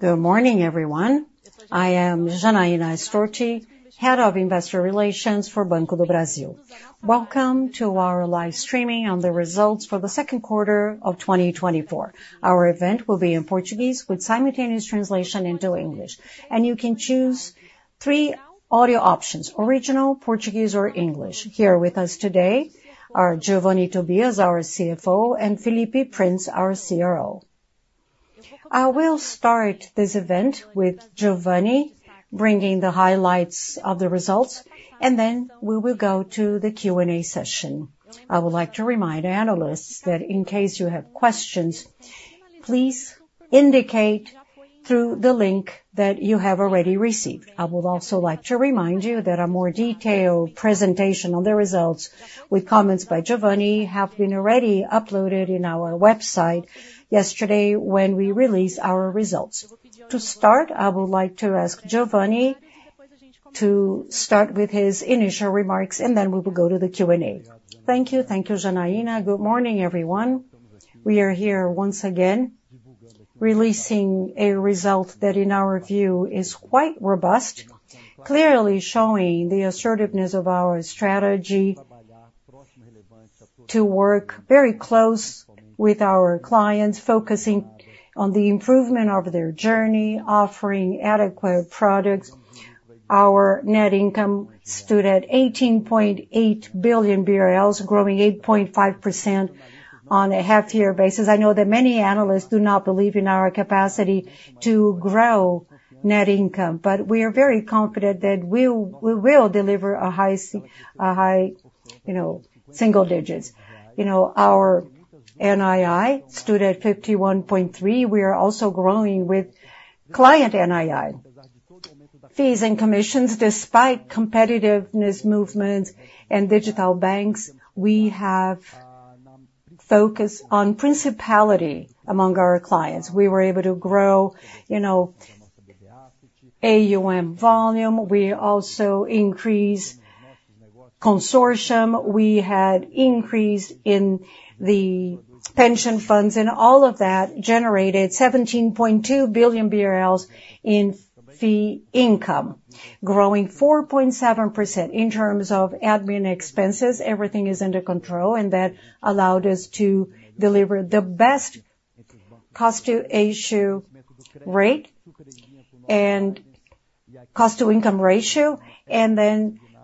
Hello, good morning, everyone. I am Janaína Storti, Head of Investor Relations for Banco do Brasil. Welcome to our live streaming on the results for the second quarter of 2024. Our event will be in Portuguese with simultaneous translation into English, and you can choose three audio options: original, Portuguese, or English. Here with us today are Geovanne Tobias, our CFO, and Felipe Prince, our CRO. I will start this event with Geovanne bringing the highlights of the results, and then we will go to the Q&A session. I would like to remind analysts that in case you have questions, please indicate through the link that you have already received. I would also like to remind you that a more detailed presentation on the results, with comments by Geovanne, has been already uploaded on our website yesterday when we released our results. To start, I would like to ask Geovanne to start with his initial remarks, and then we will go to the Q&A. Thank you, thank you, Janaína. Good morning, everyone. We are here once again releasing a result that, in our view, is quite robust, clearly showing the assertiveness of our strategy to work very close with our clients, focusing on the improvement of their journey, offering adequate products. Our net income stood at 18.8 billion BRL, growing 8.5% on a half-year basis. I know that many analysts do not believe in our capacity to grow net income, but we are very confident that we will deliver a high, you know, single digit. You know, our NII stood at 51.3 billion. We are also growing with client NII. Fees and commissions, despite competitiveness movements and digital banks, we have focused on priority among our clients. We were able to grow, you know, AUM volume. We also increased consortium. We had increased in the pension funds, and all of that generated 17.2 billion BRL in fee income, growing 4.7%. In terms of admin expenses, everything is under control, and that allowed us to deliver the best cost-to-issue rate and cost-to-income ratio.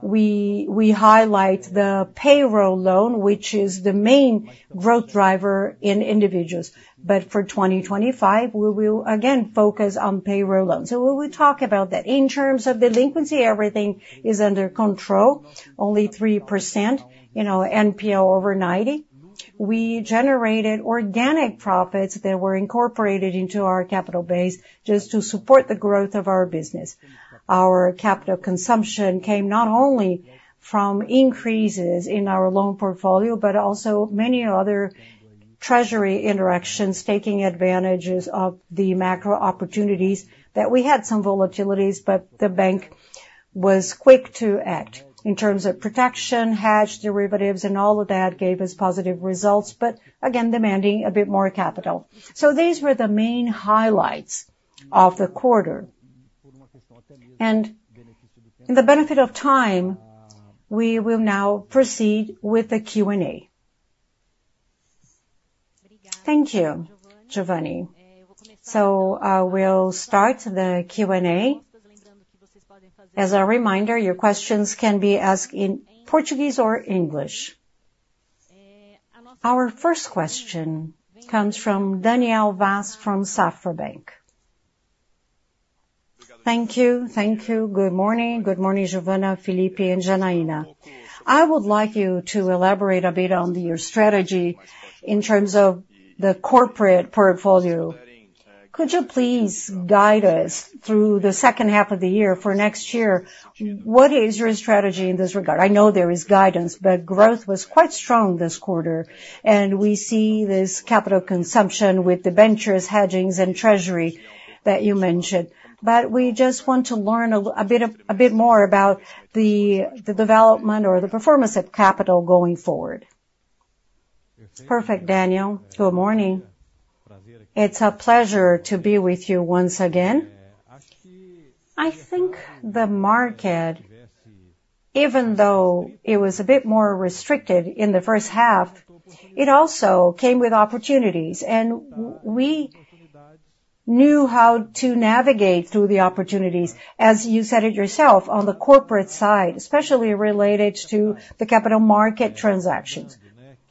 We highlight the payroll loan, which is the main growth driver in individuals. But for 2025, we will again focus on payroll loans. So we will talk about that. In terms of delinquency, everything is under control, only 3%, you know, NPL over 90. We generated organic profits that were incorporated into our capital base just to support the growth of our business. Our capital consumption came not only from increases in our loan portfolio, but also many other treasury interactions, taking advantages of the macro opportunities that we had some volatilities, but the bank was quick to act. In terms of protection, hedge derivatives, and all of that gave us positive results, but again, demanding a bit more capital. So these were the main highlights of the quarter. In the interest of time, we will now proceed with the Q&A. Thank you, Geovanne. So we'll start the Q&A. As a reminder, your questions can be asked in Portuguese or English. Our first question comes from Daniel Vaz from Safra Bank. Thank you, thank you. Good morning. Good morning, Geovanne, Felipe, and Janaína. I would like you to elaborate a bit on your strategy in terms of the corporate portfolio. Could you please guide us through the second half of the year for next year? What is your strategy in this regard? I know there is guidance, but growth was quite strong this quarter, and we see this capital consumption with the ventures, hedging, and treasury that you mentioned. But we just want to learn a bit more about the development or the performance of capital going forward. Perfect, Daniel. Good morning. It's a pleasure to be with you once again. I think the market, even though it was a bit more restricted in the first half, it also came with opportunities, and we knew how to navigate through the opportunities, as you said it yourself, on the corporate side, especially related to the capital market transactions.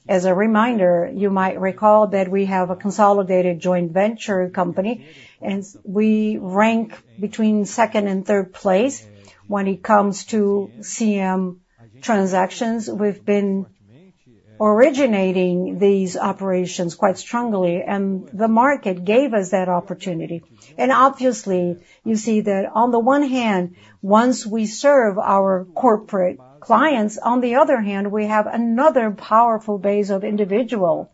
As a reminder, you might recall that we have a consolidated joint venture company, and we rank between second and third place when it comes to CM transactions. We've been originating these operations quite strongly, and the market gave us that opportunity. Obviously, you see that on the one hand, once we serve our corporate clients, on the other hand, we have another powerful base of individuals,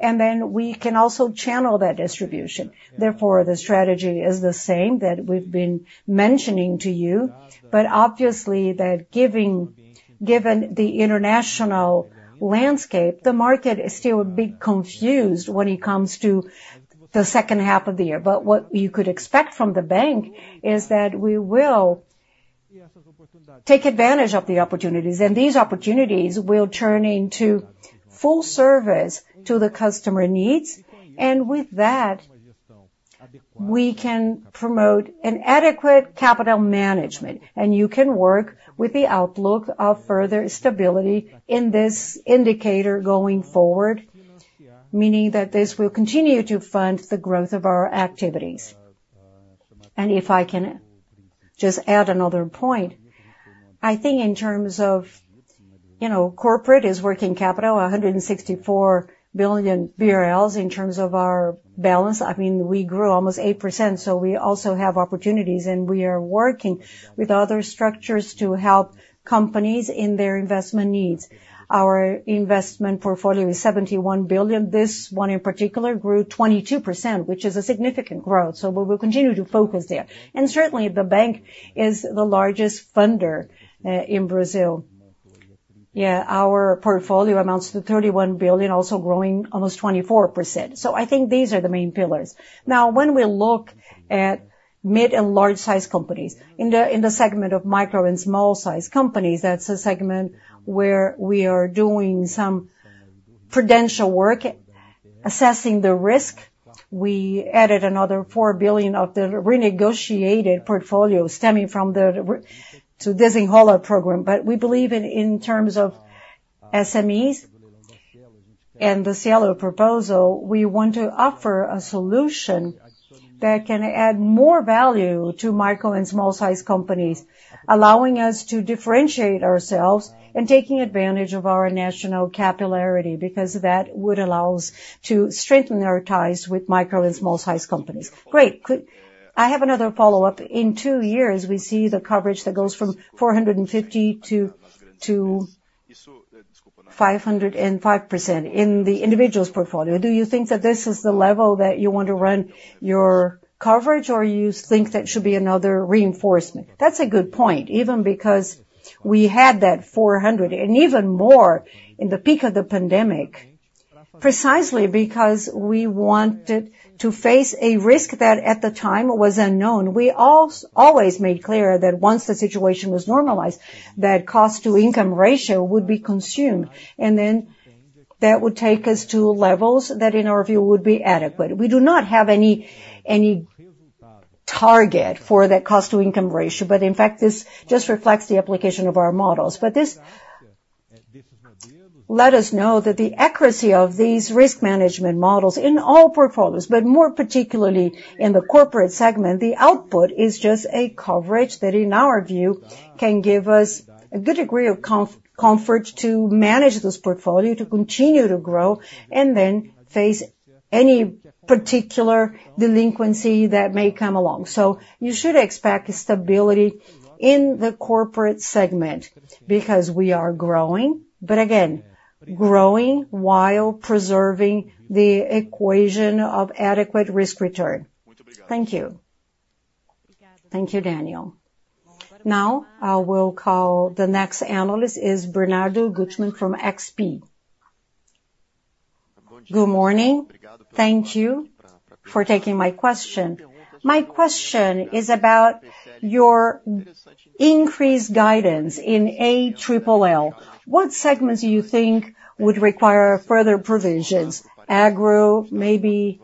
and then we can also channel that distribution. Therefore, the strategy is the same that we've been mentioning to you, but obviously that given the international landscape, the market is still a bit confused when it comes to the second half of the year. What you could expect from the bank is that we will take advantage of the opportunities, and these opportunities will turn into full service to the customer needs. And with that, we can promote an adequate capital management, and you can work with the outlook of further stability in this indicator going forward, meaning that this will continue to fund the growth of our activities. And if I can just add another point, I think in terms of, you know, corporate is working capital, 164 billion BRL in terms of our balance. I mean, we grew almost 8%, so we also have opportunities, and we are working with other structures to help companies in their investment needs. Our investment portfolio is 71 billion. This one in particular grew 22%, which is a significant growth. So we will continue to focus there. And certainly, the bank is the largest funder in Brazil. Yeah, our portfolio amounts to 31 billion, also growing almost 24%. So I think these are the main pillars. Now, when we look at mid and large-sized companies in the segment of micro and small-sized companies, that's a segment where we are doing some prudential work, assessing the risk. We added another 4 billion of the renegotiated portfolio stemming from the Desenrola program. But we believe in terms of SMEs and the CLO proposal, we want to offer a solution that can add more value to micro and small-sized companies, allowing us to differentiate ourselves and taking advantage of our national capillarity because that would allow us to strengthen our ties with micro and small-sized companies. Great. I have another follow-up. In two years, we see the coverage that goes from 450%-505% in the individual's portfolio. Do you think that this is the level that you want to run your coverage, or do you think that should be another reinforcement? That's a good point, even because we had that 400% and even more in the peak of the pandemic, precisely because we wanted to face a risk that at the time was unknown. We always made clear that once the situation was normalized, that cost-to-income ratio would be consumed, and then that would take us to levels that, in our view, would be adequate. We do not have any target for that cost-to-income ratio, but in fact, this just reflects the application of our models. But this let us know that the accuracy of these risk management models in all portfolios, but more particularly in the corporate segment, the output is just a coverage that, in our view, can give us a good degree of comfort to manage this portfolio, to continue to grow, and then face any particular delinquency that may come along. So you should expect stability in the corporate segment because we are growing, but again, growing while preserving the equation of adequate risk return. Thank you. Thank you, Daniel. Now, I will call the next analyst is Bernardo Guttmann from XP. Good morning. Thank you for taking my question. My question is about your increased guidance in ALLL. What segments do you think would require further provisions? Agro maybe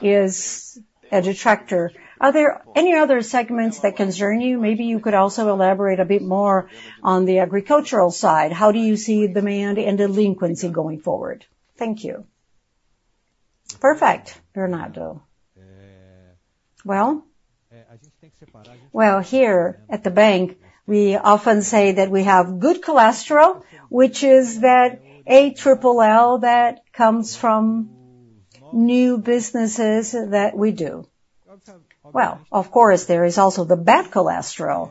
is a detractor. Are there any other segments that concern you? Maybe you could also elaborate a bit more on the agricultural side. How do you see demand and delinquency going forward? Thank you. Perfect, Bernardo. Well? Well, here at the bank, we often say that we have good cholesterol, which is that ALLL that comes from new businesses that we do. Well, of course, there is also the bad cholesterol,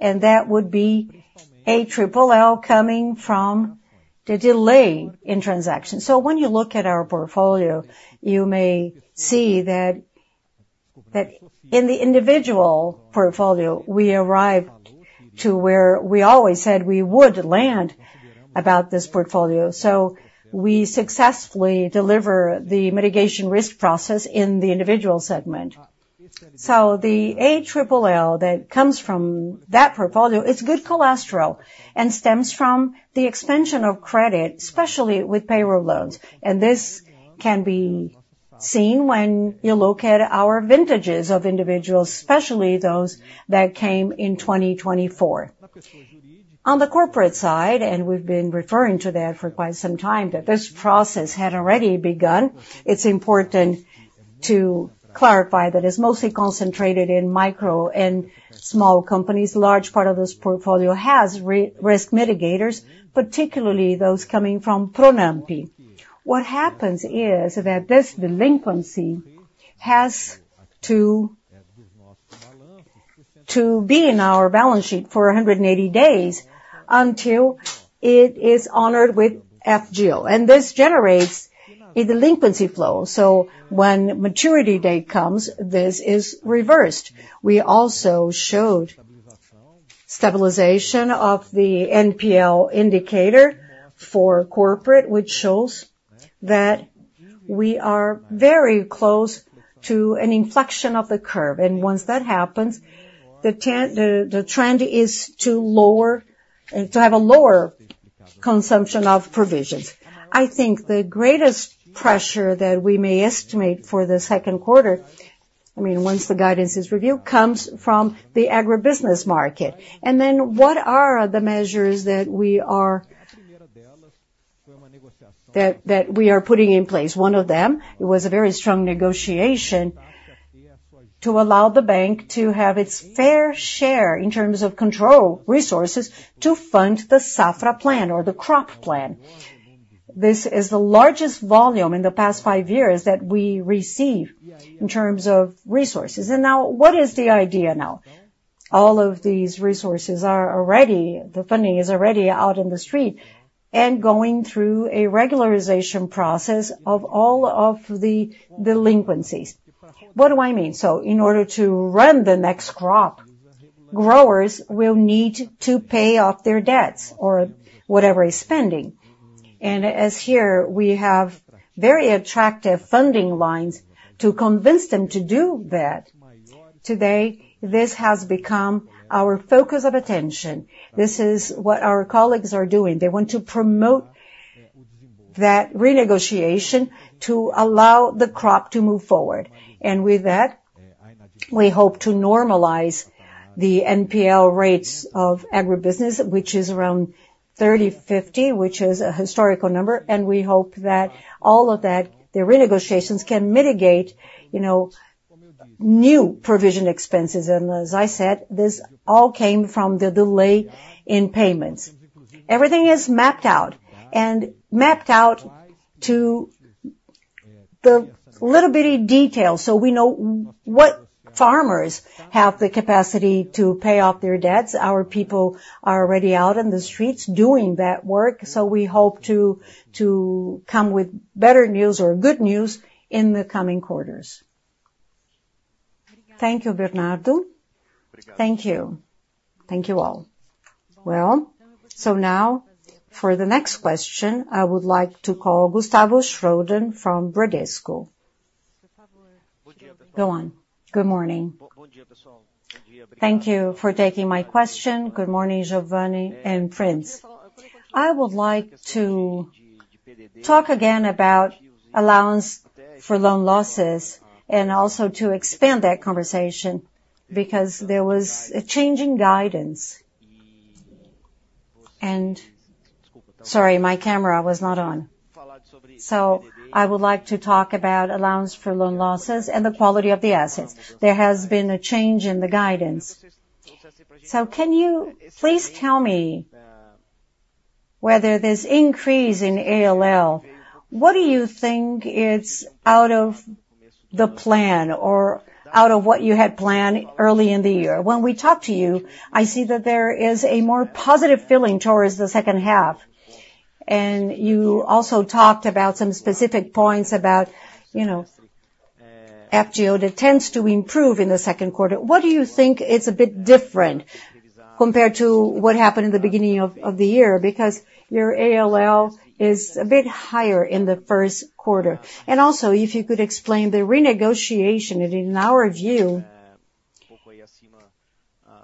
and that would be ALLL coming from the delay in transactions. So when you look at our portfolio, you may see that in the individual portfolio, we arrived to where we always said we would land about this portfolio. So we successfully deliver the mitigation risk process in the individual segment. So the ALLL that comes from that portfolio is good cholesterol and stems from the expansion of credit, especially with payroll loans. And this can be seen when you look at our vintages of individuals, especially those that came in 2024. On the corporate side, and we've been referring to that for quite some time, that this process had already begun. It's important to clarify that it's mostly concentrated in micro and small companies. A large part of this portfolio has risk mitigators, particularly those coming from Pronampe. What happens is that this delinquency has to be in our balance sheet for 180 days until it is honored with FGO. And this generates a delinquency flow. So when maturity date comes, this is reversed. We also showed stabilization of the NPL indicator for corporate, which shows that we are very close to an inflection of the curve. And once that happens, the trend is to lower and to have a lower consumption of provisions. I think the greatest pressure that we may estimate for the second quarter, I mean, once the guidance is reviewed, comes from the agribusiness market. And then what are the measures that we are putting in place? One of them, it was a very strong negotiation to allow the bank to have its fair share in terms of control resources to fund the Safra Plan or the Crop Plan. This is the largest volume in the past 5 years that we receive in terms of resources. Now, what is the idea now? All of these resources are already, the funding is already out in the street and going through a regularization process of all of the delinquencies. What do I mean? So in order to run the next crop, growers will need to pay off their debts or whatever is spending. And as here, we have very attractive funding lines to convince them to do that. Today, this has become our focus of attention. This is what our colleagues are doing. They want to promote that renegotiation to allow the crop to move forward. And with that, we hope to normalize the NPL rates of agribusiness, which is around 0.30%, 0.50%, which is a historical number. And we hope that all of that, the renegotiations, can mitigate, you know, new provision expenses. And as I said, this all came from the delay in payments. Everything is mapped out and mapped out to the little bitty detail so we know what farmers have the capacity to pay off their debts. Our people are already out in the streets doing that work. So we hope to come with better news or good news in the coming quarters. Thank you, Bernardo. Thank you. Thank you all. Well, so now for the next question, I would like to call Gustavo Schroden from Bradesco. Go on. Good morning. Thank you for taking my question. Good morning, Geovanne and friends. I would like to talk again about allowance for loan losses and also to expand that conversation because there was a change in guidance. Sorry, my camera was not on. So I would like to talk about allowance for loan losses and the quality of the assets. There has been a change in the guidance. So can you please tell me whether this increase in ALLL, what do you think it's out of the plan or out of what you had planned early in the year? When we talked to you, I see that there is a more positive feeling towards the second half. And you also talked about some specific points about, you know, FGO that tends to improve in the second quarter. What do you think is a bit different compared to what happened in the beginning of the year? Because your ALLL is a bit higher in the first quarter. And also, if you could explain the renegotiation, in our view,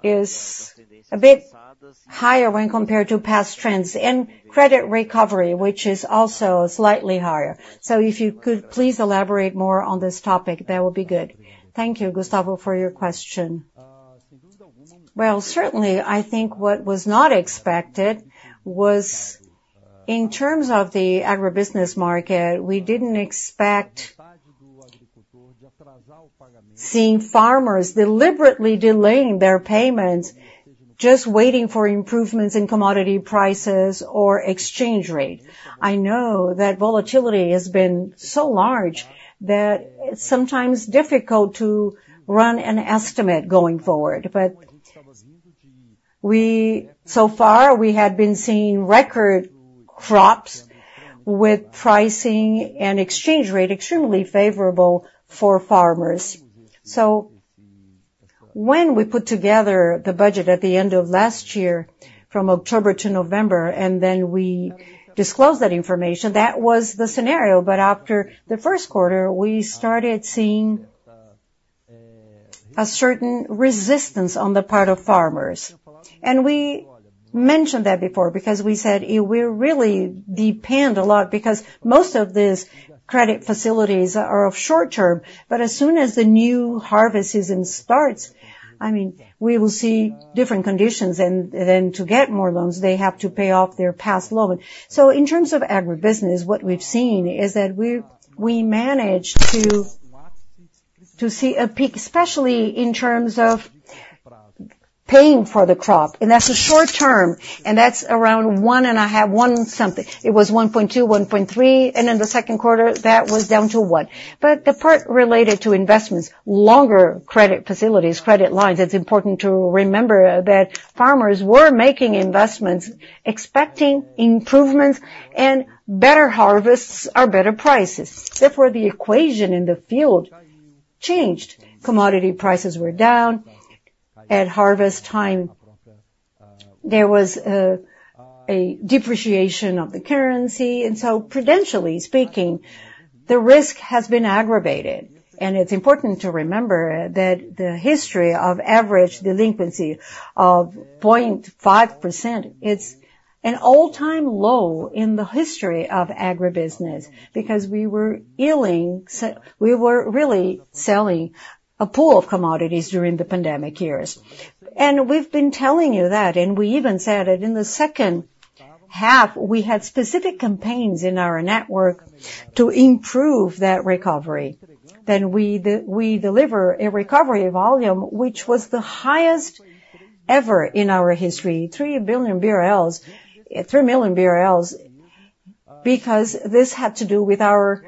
is a bit higher when compared to past trends and credit recovery, which is also slightly higher. So if you could please elaborate more on this topic, that would be good. Thank you, Gustavo, for your question. Well, certainly, I think what was not expected was in terms of the agribusiness market. We didn't expect seeing farmers deliberately delaying their payments, just waiting for improvements in commodity prices or exchange rates. I know that volatility has been so large that it's sometimes difficult to run an estimate going forward. But so far, we had been seeing record crops with pricing and exchange rate extremely favorable for farmers. So when we put together the budget at the end of last year from October to November, and then we disclosed that information, that was the scenario. After the first quarter, we started seeing a certain resistance on the part of farmers. We mentioned that before because we said we really depend a lot because most of these credit facilities are of short term. But as soon as the new harvest season starts, I mean, we will see different conditions. Then to get more loans, they have to pay off their past loans. So in terms of agribusiness, what we've seen is that we manage to see a peak, especially in terms of paying for the crop. And that's a short term. And that's around 1.5, one something. It was 1.2, 1.3. And in the second quarter, that was down to 1. But the part related to investments, longer credit facilities, credit lines, it's important to remember that farmers were making investments, expecting improvements and better harvests or better prices. Except for the equation in the field changed. Commodity prices were down at harvest time. There was a depreciation of the currency. And so prudentially speaking, the risk has been aggravated. And it's important to remember that the history of average delinquency of 0.5%, it's an all-time low in the history of agribusiness because we were really selling a pool of commodities during the pandemic years. And we've been telling you that, and we even said that in the second half, we had specific campaigns in our network to improve that recovery. Then we deliver a recovery volume, which was the highest ever in our history, 3 billion BRL, 3 million BRL, because this had to do with our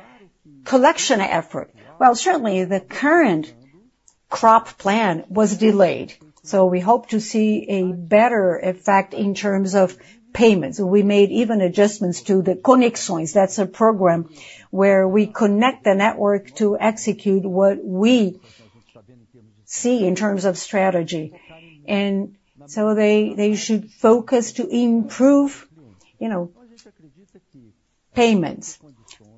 collection effort. Well, certainly, the current crop plan was delayed. So we hope to see a better effect in terms of payments. We made even adjustments to the connections. That's a program where we connect the network to execute what we see in terms of strategy. And so they should focus to improve payments.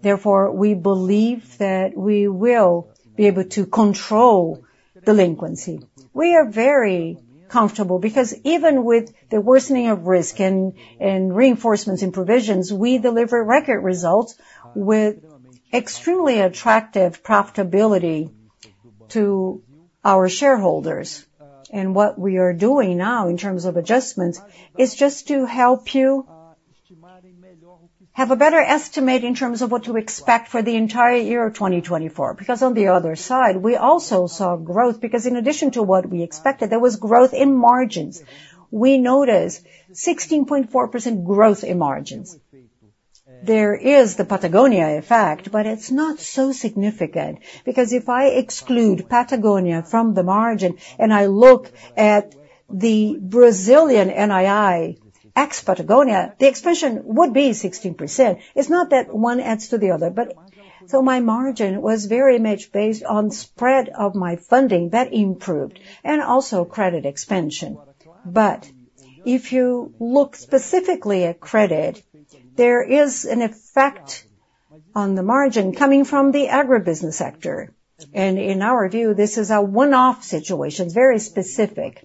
Therefore, we believe that we will be able to control delinquency. We are very comfortable because even with the worsening of risk and reinforcements and provisions, we deliver record results with extremely attractive profitability to our shareholders. And what we are doing now in terms of adjustments is just to help you have a better estimate in terms of what to expect for the entire year of 2024. Because on the other side, we also saw growth because in addition to what we expected, there was growth in margins. We noticed 16.4% growth in margins. There is the Patagonia effect, but it's not so significant because if I exclude Patagonia from the margin and I look at the Brazilian NII ex-Patagonia, the expansion would be 16%. It's not that one adds to the other. So my margin was very much based on the spread of my funding that improved and also credit expansion. If you look specifically at credit, there is an effect on the margin coming from the agribusiness sector. In our view, this is a one-off situation, very specific.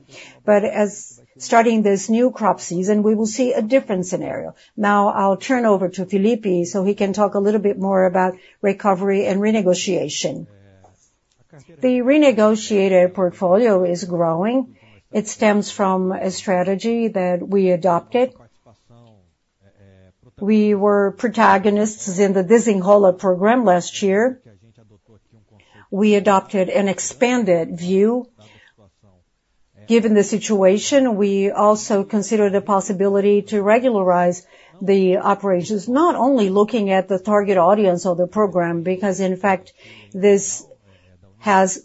As starting this new crop season, we will see a different scenario. Now I'll turn over to Felipe so he can talk a little bit more about recovery and renegotiation. The renegotiated portfolio is growing. It stems from a strategy that we adopted. We were protagonists in the Desenrola program last year. We adopted an expanded view. Given the situation, we also considered the possibility to regularize the operations, not only looking at the target audience of the program, because in fact, this has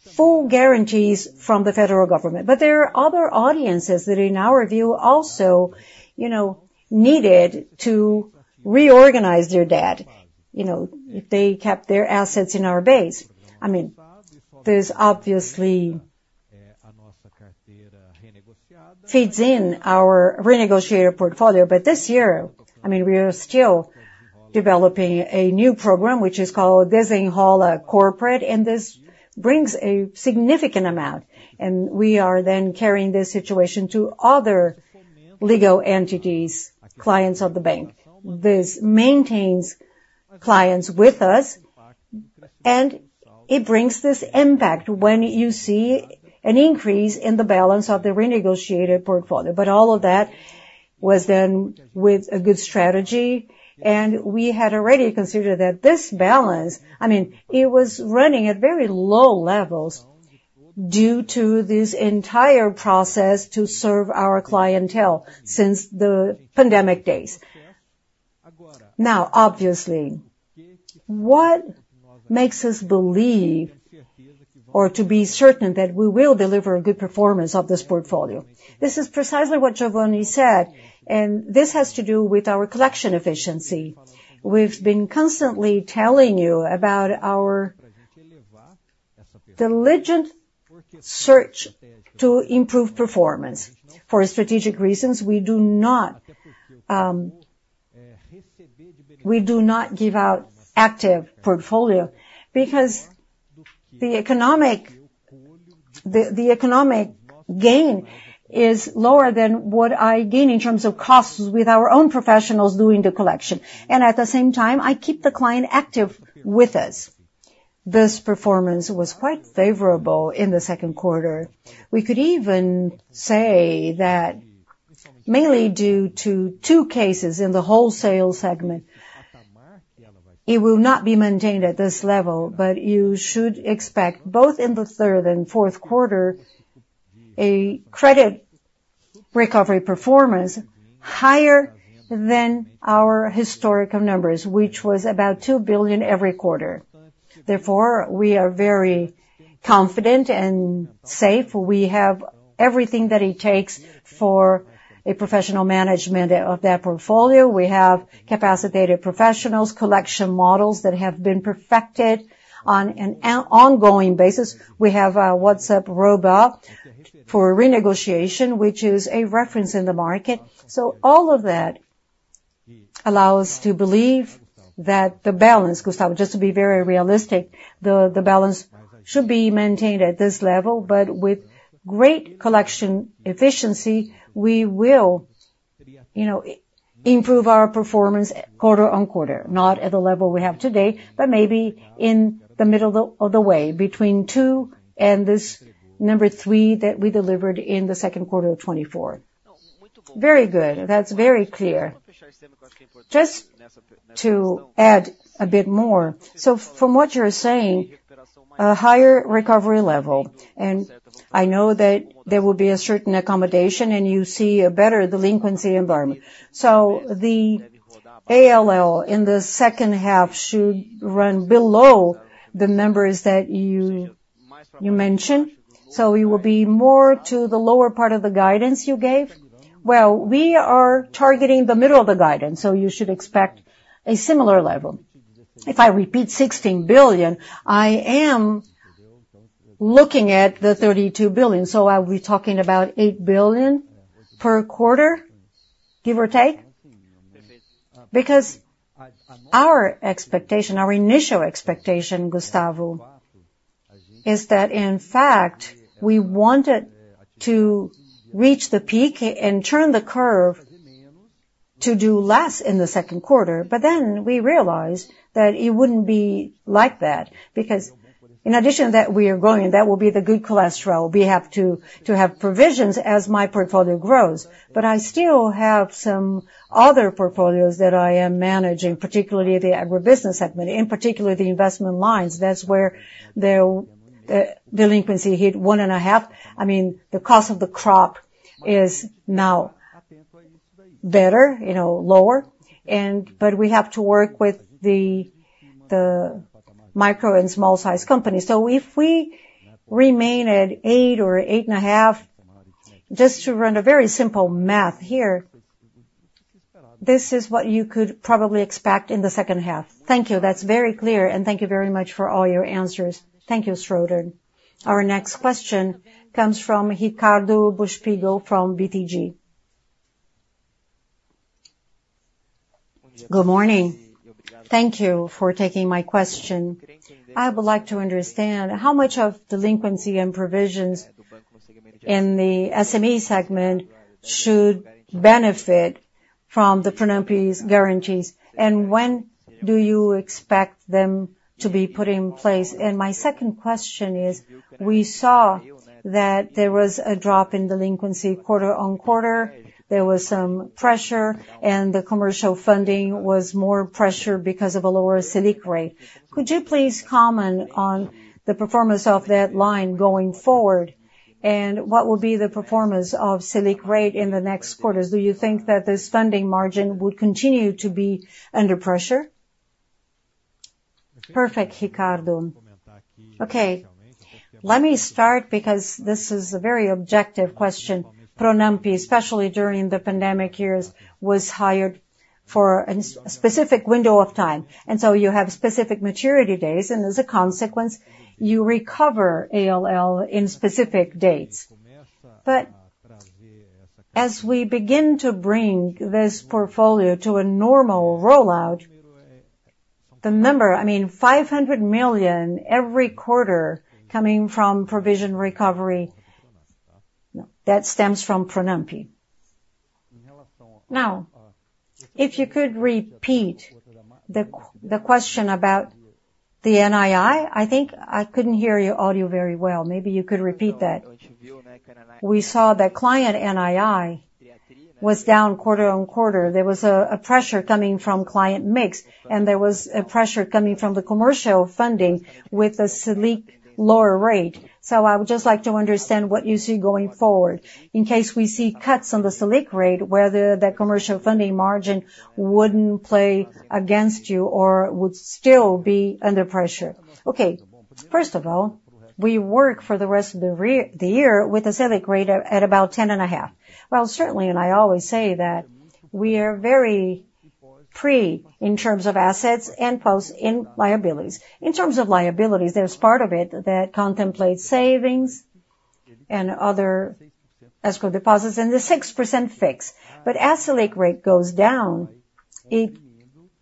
full guarantees from the federal government. But there are other audiences that in our view also, you know, needed to reorganize their debt, you know, if they kept their assets in our base. I mean, there's obviously fees in our renegotiated portfolio. But this year, I mean, we are still developing a new program, which is called Desenrola Corporate, and this brings a significant amount. And we are then carrying this situation to other legal entities, clients of the bank. This maintains clients with us, and it brings this impact when you see an increase in the balance of the renegotiated portfolio. But all of that was done with a good strategy. We had already considered that this balance, I mean, it was running at very low levels due to this entire process to serve our clientele since the pandemic days. Now, obviously, what makes us believe or to be certain that we will deliver a good performance of this portfolio? This is precisely what Geovanne said. And this has to do with our collection efficiency. We've been constantly telling you about our diligent search to improve performance. For strategic reasons, we do not give out active portfolio because the economic gain is lower than what I gain in terms of costs with our own professionals doing the collection. And at the same time, I keep the client active with us. This performance was quite favorable in the second quarter. We could even say that mainly due to two cases in the wholesale segment. It will not be maintained at this level, but you should expect both in the third and fourth quarter a credit recovery performance higher than our historical numbers, which was about 2 billion every quarter. Therefore, we are very confident and safe. We have everything that it takes for a professional management of that portfolio. We have capacitated professionals, collection models that have been perfected on an ongoing basis. We have a WhatsApp robot for renegotiation, which is a reference in the market. So all of that allows us to believe that the balance, Gustavo, just to be very realistic, the balance should be maintained at this level, but with great collection efficiency, we will, you know, improve our performance quarter-over-quarter, not at the level we have today, but maybe in the middle of the way between 2 and this number 3 that we delivered in the second quarter of 2024. Very good. That's very clear. Just to add a bit more. So from what you're saying, a higher recovery level. And I know that there will be a certain accommodation and you see a better delinquency environment. So the ALLL in the second half should run below the numbers that you mentioned. So it will be more to the lower part of the guidance you gave. Well, we are targeting the middle of the guidance, so you should expect a similar level. If I repeat 16 billion, I am looking at the 32 billion. So are we talking about 8 billion per quarter, give or take? Because our expectation, our initial expectation, Gustavo, is that in fact, we wanted to reach the peak and turn the curve to do less in the second quarter. But then we realized that it wouldn't be like that because in addition to that, we are going, that will be the good cholesterol. We have to have provisions as my portfolio grows. But I still have some other portfolios that I am managing, particularly the agribusiness segment, in particular the investment lines. That's where the delinquency hit 1.5. I mean, the cost of the crop is now better, you know, lower. But we have to work with the micro and small-sized companies. So if we remain at 8 or 8.5, just to run a very simple math here, this is what you could probably expect in the second half. Thank you. That's very clear. And thank you very much for all your answers. Thank you, Schroden. Our next question comes from Ricardo Buchpiguel from BTG Pactual. Good morning. Thank you for taking my question. I would like to understand how much of delinquency and provisions in the SME segment should benefit from the Pronampe guarantees. And when do you expect them to be put in place? And my second question is, we saw that there was a drop in delinquency quarter on quarter. There was some pressure, and the commercial funding was more pressured because of a lower Selic rate. Could you please comment on the performance of that line going forward? And what will be the performance of Selic rate in the next quarters? Do you think that this funding margin would continue to be under pressure? Perfect, Ricardo. Okay. Let me start because this is a very objective question. Pronampe, especially during the pandemic years, were hired for a specific window of time. And so you have specific maturity days, and as a consequence, you recover ALL in specific dates. But as we begin to bring this portfolio to a normal rollout, the number, I mean, 500 million every quarter coming from provision recovery, that stems from Pronampe. Now, if you could repeat the question about the NII, I think I couldn't hear your audio very well. Maybe you could repeat that. We saw that client NII was down quarter-over-quarter. There was a pressure coming from client mix, and there was a pressure coming from the commercial funding with a Selic lower rate. So I would just like to understand what you see going forward in case we see cuts on the Selic rate, whether that commercial funding margin wouldn't play against you or would still be under pressure. Okay. First of all, we work for the rest of the year with a Selic rate at about 10.5%. Well, certainly, and I always say that we are very free in terms of assets and posts in liabilities. In terms of liabilities, there's part of it that contemplates savings and other escrow deposits and the 6% fix. But as Selic rate goes down, it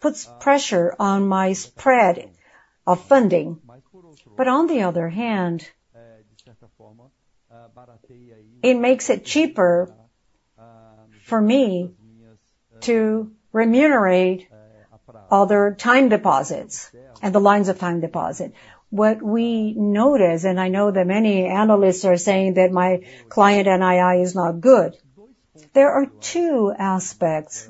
puts pressure on my spread of funding. But on the other hand, it makes it cheaper for me to remunerate other time deposits and the lines of time deposit. What we notice, and I know that many analysts are saying that our NII is not good, there are two aspects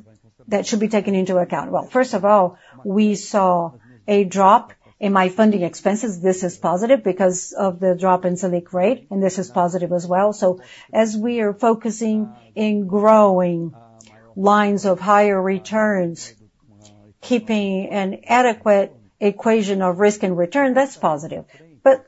that should be taken into account. Well, first of all, we saw a drop in our funding expenses. This is positive because of the drop in Selic rate, and this is positive as well. So as we are focusing in growing lines of higher returns, keeping an adequate equation of risk and return, that's positive. But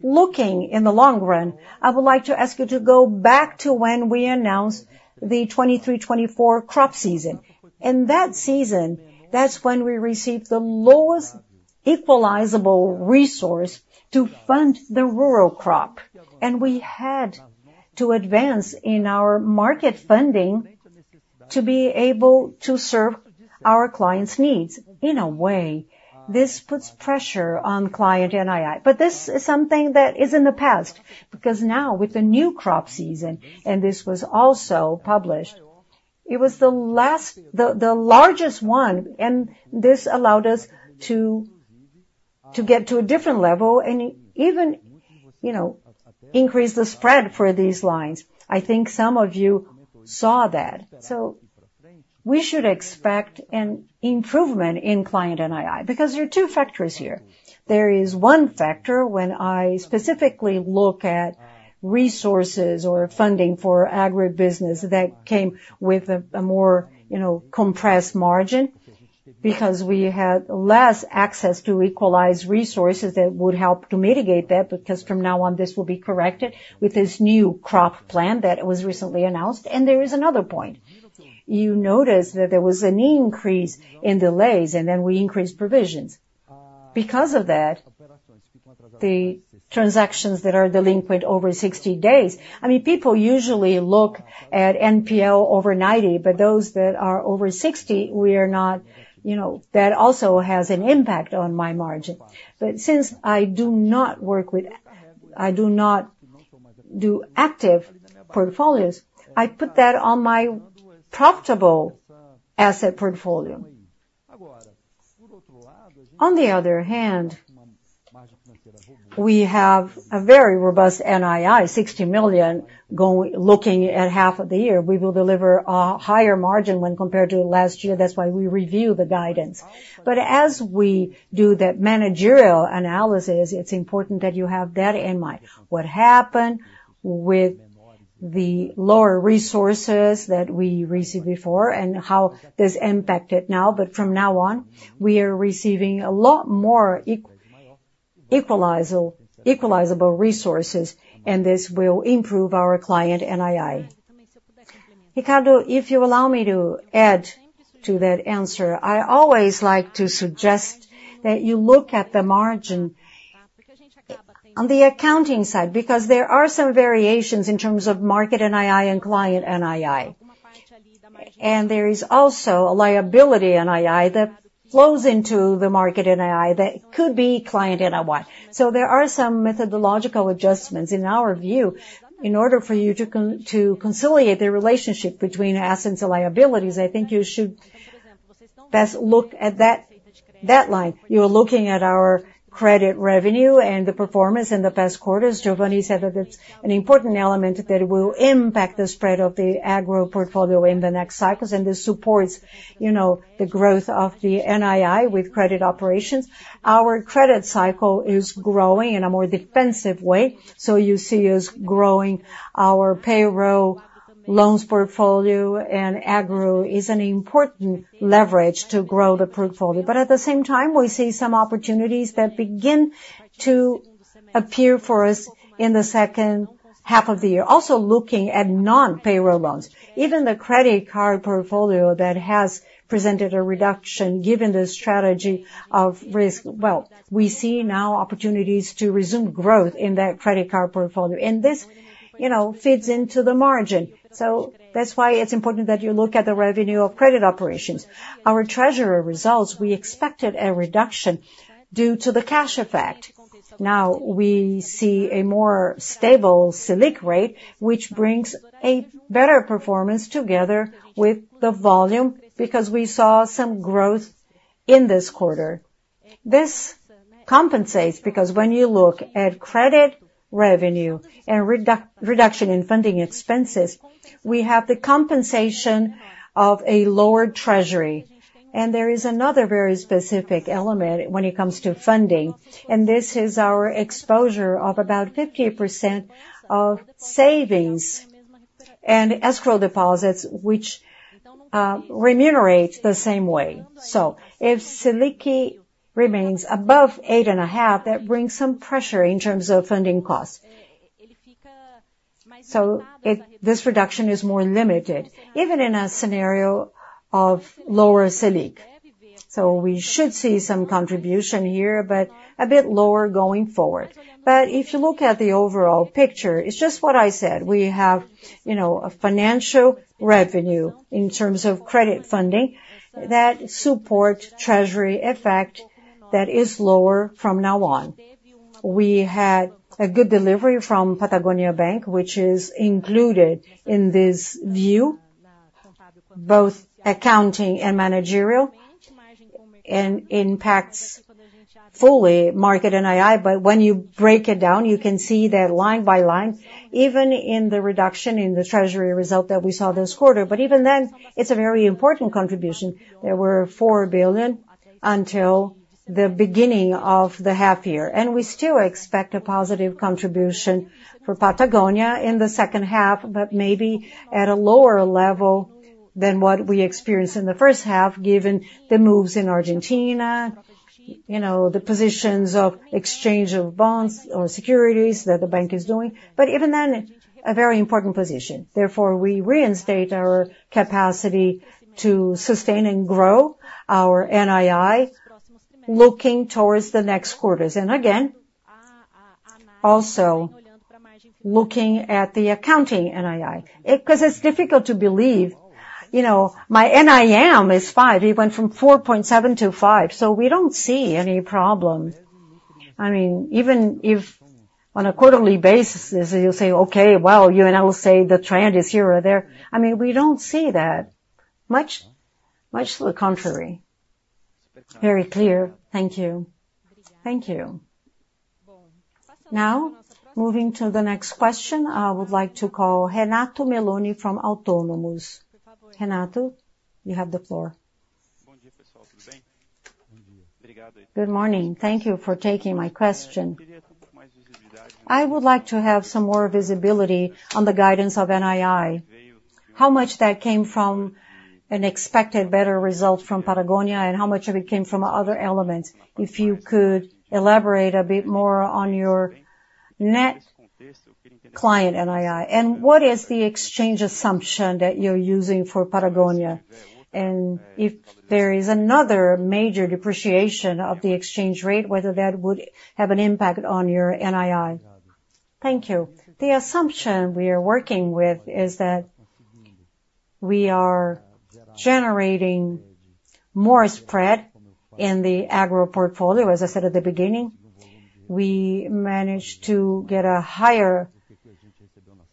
looking in the long run, I would like to ask you to go back to when we announced the 2023-2024 crop season. In that season, that's when we received the lowest equalizable resource to fund the rural crop. And we had to advance in our market funding to be able to serve our clients' needs in a way. This puts pressure on client NII. But this is something that is in the past because now with the new crop season, and this was also published, it was the last, the largest one. And this allowed us to get to a different level and even, you know, increase the spread for these lines. I think some of you saw that. So we should expect an improvement in client NII because there are two factors here. There is one factor when I specifically look at resources or funding for agribusiness that came with a more, you know, compressed margin because we had less access to equalized resources that would help to mitigate that because from now on, this will be corrected with this new crop plan that was recently announced. There is another point. You notice that there was an increase in delays, and then we increased provisions. Because of that, the transactions that are delinquent over 60 days, I mean, people usually look at NPL over 90, but those that are over 60, we are not, you know, that also has an impact on my margin. But since I do not work with, I do not do active portfolios, I put that on my profitable asset portfolio. On the other hand, we have a very robust NII, 60 million going, looking at half of the year. We will deliver a higher margin when compared to last year. That's why we review the guidance. But as we do that managerial analysis, it's important that you have that in mind. What happened with the lower resources that we received before and how this impacted now, but from now on, we are receiving a lot more equalizable resources, and this will improve our client NII. Ricardo, if you allow me to add to that answer, I always like to suggest that you look at the margin on the accounting side because there are some variations in terms of market NII and client NII. There is also a liability NII that flows into the market NII that could be client NII. So there are some methodological adjustments in our view. In order for you to conciliate the relationship between assets and liabilities, I think you should best look at that line. You're looking at our credit revenue and the performance in the past quarters. Geovanne said that it's an important element that will impact the spread of the agro portfolio in the next cycles. And this supports, you know, the growth of the NII with credit operations. Our credit cycle is growing in a more defensive way. So you see us growing our payroll loans portfolio, and agro is an important leverage to grow the portfolio. But at the same time, we see some opportunities that begin to appear for us in the second half of the year. Also, looking at non-payroll loans, even the credit card portfolio that has presented a reduction given the strategy of risk. Well, we see now opportunities to resume growth in that credit card portfolio. And this, you know, fits into the margin. So that's why it's important that you look at the revenue of credit operations. Our treasury results, we expected a reduction due to the cash effect. Now we see a more stable Selic rate, which brings a better performance together with the volume because we saw some growth in this quarter. This compensates because when you look at credit revenue and reduction in funding expenses, we have the compensation of a lower treasury. There is another very specific element when it comes to funding. This is our exposure of about 50% of savings and escrow deposits, which remunerate the same way. So if Selic remains above 8.5, that brings some pressure in terms of funding costs. This reduction is more limited, even in a scenario of lower Selic. We should see some contribution here, but a bit lower going forward. If you look at the overall picture, it's just what I said. We have, you know, a financial revenue in terms of credit funding that supports treasury effect that is lower from now on. We had a good delivery from Banco Patagonia, which is included in this view, both accounting and managerial, and impacts fully market NII. But when you break it down, you can see that line by line, even in the reduction in the treasury result that we saw this quarter. But even then, it's a very important contribution. There were 4 billion until the beginning of the half year. And we still expect a positive contribution for Patagonia in the second half, but maybe at a lower level than what we experienced in the first half, given the moves in Argentina, you know, the positions of exchange of bonds or securities that the bank is doing. But even then, a very important position. Therefore, we reinstate our capacity to sustain and grow our NII looking towards the next quarters. And again, also looking at the accounting NII, because it's difficult to believe, you know, my NIM is 5. It went from 4.7 to 5. So we don't see any problem. I mean, even if on a quarterly basis, you'll say, okay, well, you and I will say the trend is here or there. I mean, we don't see that. Much, much the contrary. Very clear. Thank you. Thank you. Now, moving to the next question, I would like to call Renato Meloni from Autonomous. Renato, you have the floor. Good morning. Thank you for taking my question. I would like to have some more visibility on the guidance of NII. How much that came from an expected better result from Patagonia and how much of it came from other elements? If you could elaborate a bit more on your net client NII and what is the exchange assumption that you're using for Patagonia? And if there is another major depreciation of the exchange rate, whether that would have an impact on your NII? Thank you. The assumption we are working with is that we are generating more spread in the agro portfolio. As I said at the beginning, we managed to get a higher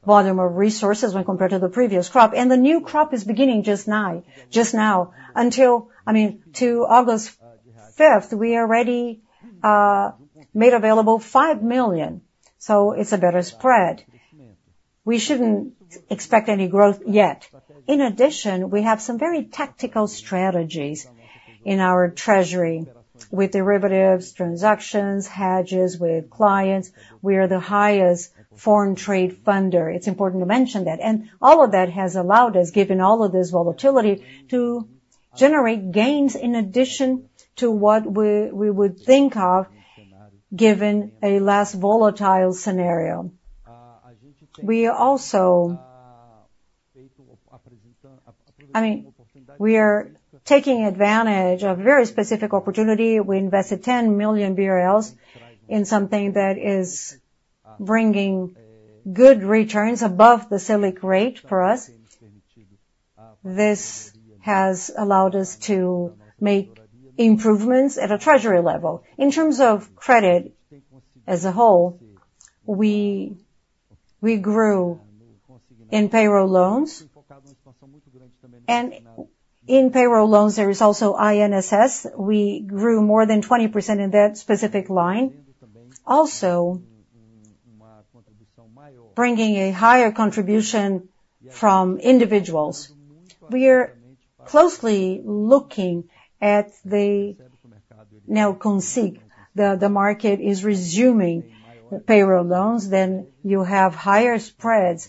volume of resources when compared to the previous crop. And the new crop is beginning just now. Just now, until, I mean, to August 5th, we already made available 5 million. So it's a better spread. We shouldn't expect any growth yet. In addition, we have some very tactical strategies in our treasury with derivatives, transactions, hedges with clients. We are the highest foreign trade funder. It's important to mention that. All of that has allowed us, given all of this volatility, to generate gains in addition to what we would think of given a less volatile scenario. We are taking advantage of a very specific opportunity. We invested 10 million BRL in something that is bringing good returns above the Selic rate for us. This has allowed us to make improvements at a treasury level. In terms of credit as a whole, we grew in payroll loans. And in payroll loans, there is also INSS. We grew more than 20% in that specific line. Also, bringing a higher contribution from individuals. We are closely looking at the now, considering the market is resuming payroll loans, then you have higher spreads.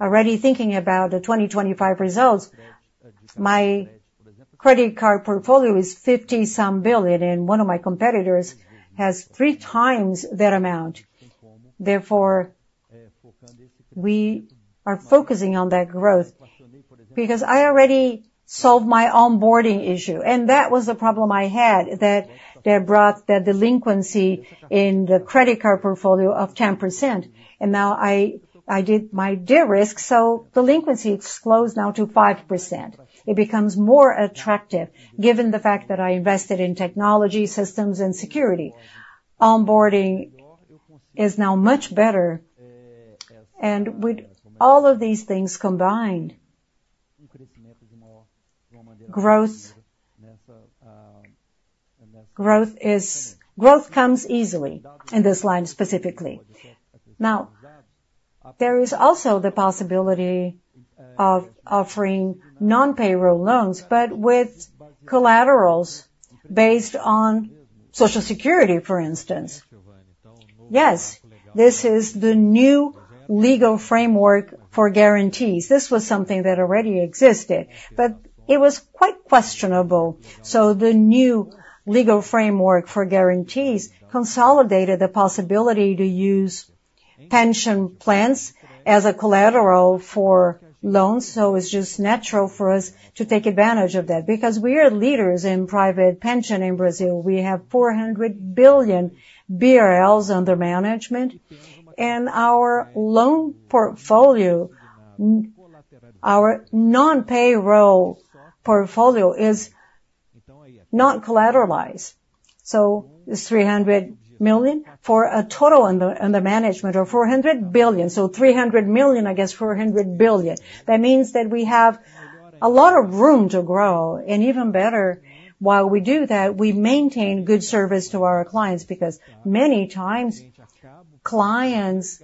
Already thinking about the 2025 results, my credit card portfolio is 50 billion, and one of my competitors has three times that amount. Therefore, we are focusing on that growth because I already solved my onboarding issue. And that was the problem I had, that there brought the delinquency in the credit card portfolio of 10%. And now I did my de-risk, so delinquency explodes now to 5%. It becomes more attractive given the fact that I invested in technology, systems, and security. Onboarding is now much better. And with all of these things combined, growth is growth comes easily in this line specifically. Now, there is also the possibility of offering non-payroll loans, but with collaterals based on Social Security, for instance. Yes, this is the new legal framework for guarantees. This was something that already existed, but it was quite questionable. So the new legal framework for guarantees consolidated the possibility to use pension plans as a collateral for loans. So it's just natural for us to take advantage of that because we are leaders in private pension in Brazil. We have 400 billion BRL under management. And our loan portfolio, our non-payroll portfolio is not collateralized. So it's 300 million for a total under management of 400 billion. So 300 million, I guess 400 billion. That means that we have a lot of room to grow. And even better, while we do that, we maintain good service to our clients because many times clients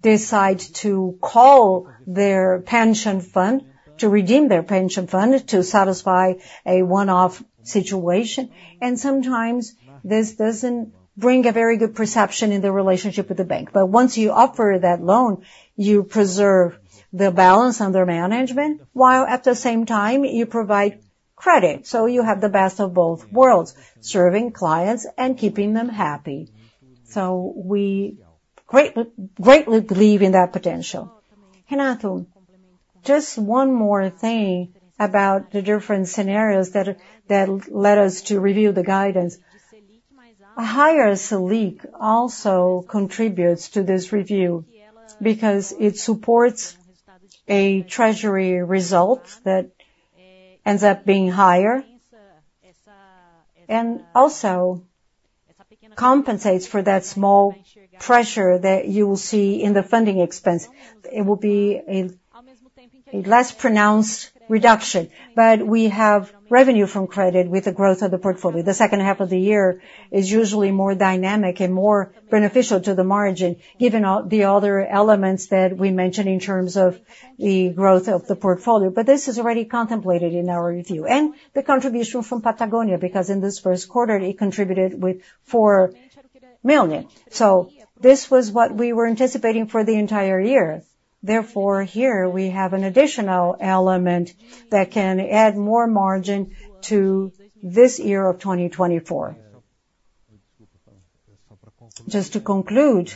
decide to call their pension fund to redeem their pension fund to satisfy a one-off situation. And sometimes this doesn't bring a very good perception in the relationship with the bank. But once you offer that loan, you preserve the balance under management, while at the same time you provide credit. So you have the best of both worlds, serving clients and keeping them happy. So we greatly believe in that potential. Renato, just one more thing about the different scenarios that led us to review the guidance. A higher Selic also contributes to this review because it supports a treasury result that ends up being higher and also compensates for that small pressure that you will see in the funding expense. It will be a less pronounced reduction, but we have revenue from credit with the growth of the portfolio. The second half of the year is usually more dynamic and more beneficial to the margin, given the other elements that we mentioned in terms of the growth of the portfolio. But this is already contemplated in our review. The contribution from Patagonia, because in this first quarter, it contributed with 4 million. This was what we were anticipating for the entire year. Therefore, here we have an additional element that can add more margin to this year of 2024. Just to conclude,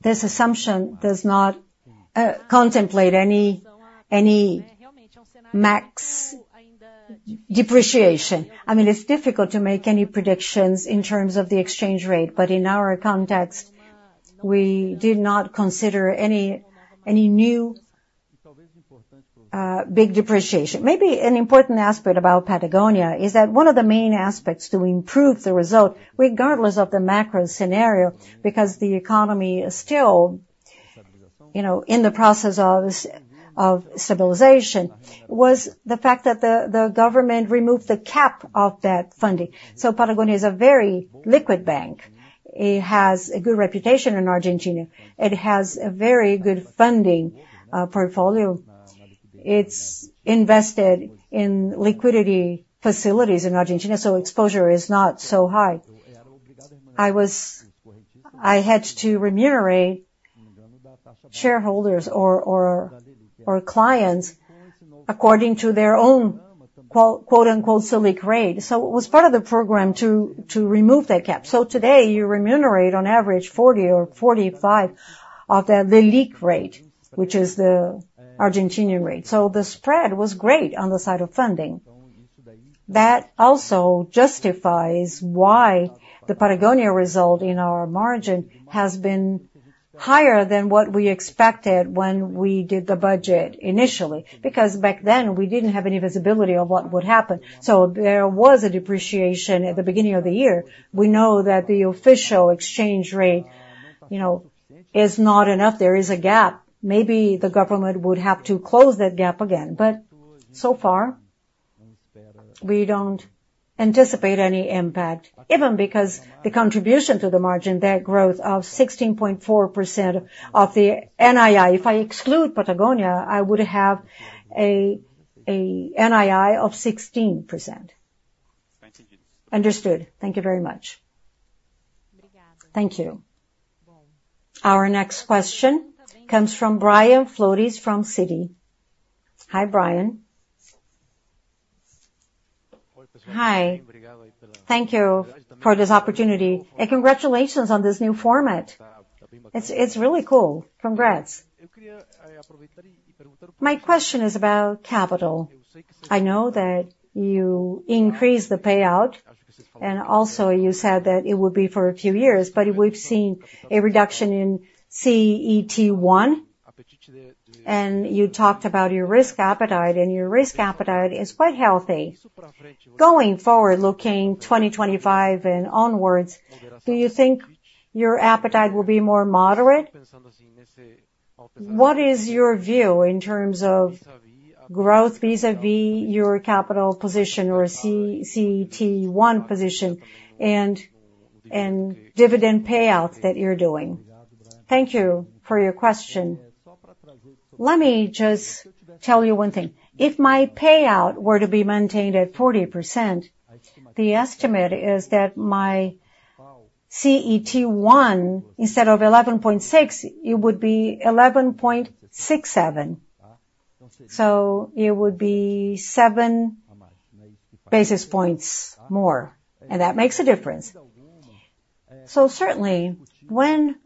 this assumption does not contemplate any max depreciation. I mean, it's difficult to make any predictions in terms of the exchange rate, but in our context, we did not consider any new big depreciation. Maybe an important aspect about Patagonia is that one of the main aspects to improve the result, regardless of the macro scenario, because the economy is still, you know, in the process of stabilization, was the fact that the government removed the cap of that funding. So Patagonia is a very liquid bank. It has a good reputation in Argentina. It has a very good funding portfolio. It's invested in liquidity facilities in Argentina, so exposure is not so high. I had to remunerate shareholders or clients according to their own quote-unquote SELIC rate. So it was part of the program to remove that cap. So today, you remunerate on average 40 or 45 of the Leliq rate, which is the Argentine rate. So the spread was great on the side of funding. That also justifies why the Patagonia result in our margin has been higher than what we expected when we did the budget initially, because back then we didn't have any visibility of what would happen. So there was a depreciation at the beginning of the year. We know that the official exchange rate, you know, is not enough. There is a gap. Maybe the government would have to close that gap again. But so far, we don't anticipate any impact, even because the contribution to the margin, that growth of 16.4% of the NII, if I exclude Patagonia, I would have a NII of 16%. Understood. Thank you very much. Thank you. Our next question comes from Brian Flores from Citi. Hi, Brian. Hi. Thank you for this opportunity. And congratulations on this new format. It's really cool. Congrats. My question is about capital. I know that you increased the payout, and also you said that it would be for a few years, but we've seen a reduction in CET1, and you talked about your risk appetite, and your risk appetite is quite healthy. Going forward, looking 2025 and onwards, do you think your appetite will be more moderate? What is your view in terms of growth vis-à-vis your capital position or CET1 position and dividend payouts that you're doing? Thank you for your question. Let me just tell you one thing. If my payout were to be maintained at 40%, the estimate is that my CET1, instead of 11.6, it would be 11.67. So it would be 7 basis points more. And that makes a difference. So certainly, when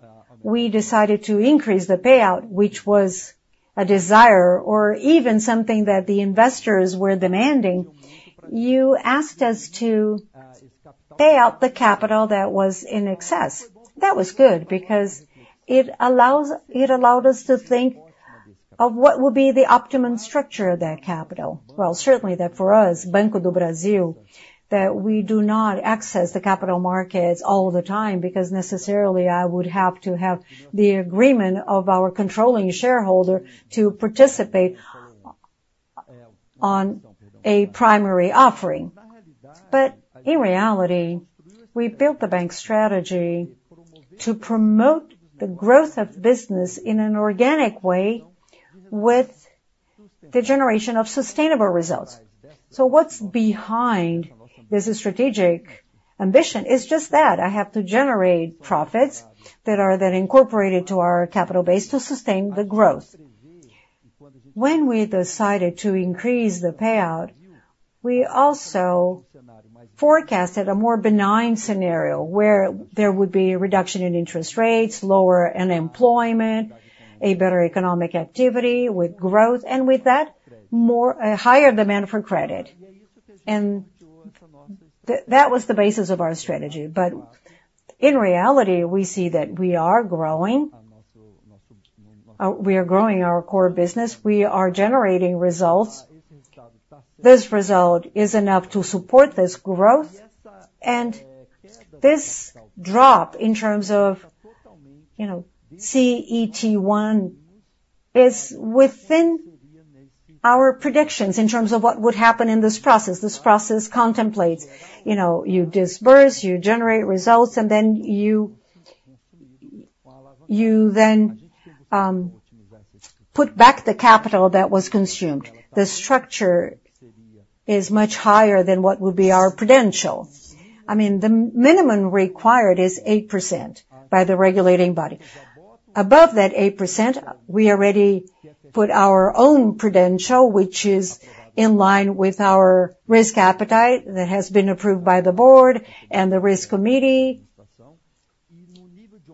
we decided to increase the payout, which was a desire or even something that the investors were demanding, you asked us to pay out the capital that was in excess. That was good because it allowed us to think of what would be the optimum structure of that capital. Well, certainly that for us, Banco do Brasil, that we do not access the capital markets all the time because necessarily I would have to have the agreement of our controlling shareholder to participate on a primary offering. But in reality, we built the bank's strategy to promote the growth of business in an organic way with the generation of sustainable results. So what's behind this strategic ambition is just that I have to generate profits that are then incorporated to our capital base to sustain the growth. When we decided to increase the payout, we also forecasted a more benign scenario where there would be a reduction in interest rates, lower unemployment, a better economic activity with growth, and with that, a higher demand for credit. And that was the basis of our strategy. But in reality, we see that we are growing. We are growing our core business. We are generating results. This result is enough to support this growth. And this drop in terms of, you know, CET1 is within our predictions in terms of what would happen in this process. This process contemplates, you know, you disburse, you generate results, and then you then put back the capital that was consumed. The structure is much higher than what would be our prudential. I mean, the minimum required is 8% by the regulating body. Above that 8%, we already put our own prudential, which is in line with our risk appetite that has been approved by the board and the risk committee.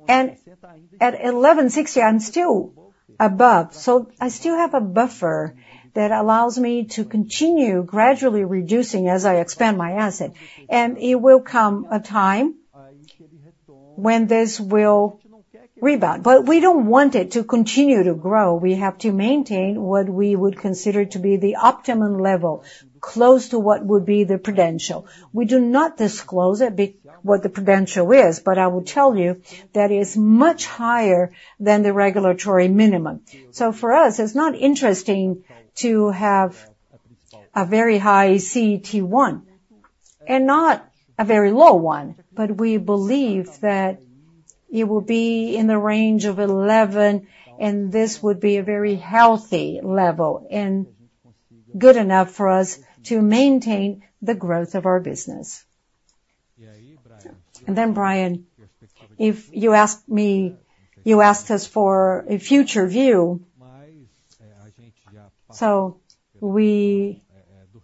At 11.60, I'm still above. So I still have a buffer that allows me to continue gradually reducing as I expand my asset. It will come a time when this will rebound. But we don't want it to continue to grow. We have to maintain what we would consider to be the optimum level close to what would be the prudential. We do not disclose what the prudential is, but I will tell you that it's much higher than the regulatory minimum. So for us, it's not interesting to have a very high CET1 and not a very low one, but we believe that it will be in the range of 11, and this would be a very healthy level and good enough for us to maintain the growth of our business. And then Brian, if you asked me, you asked us for a future view. So we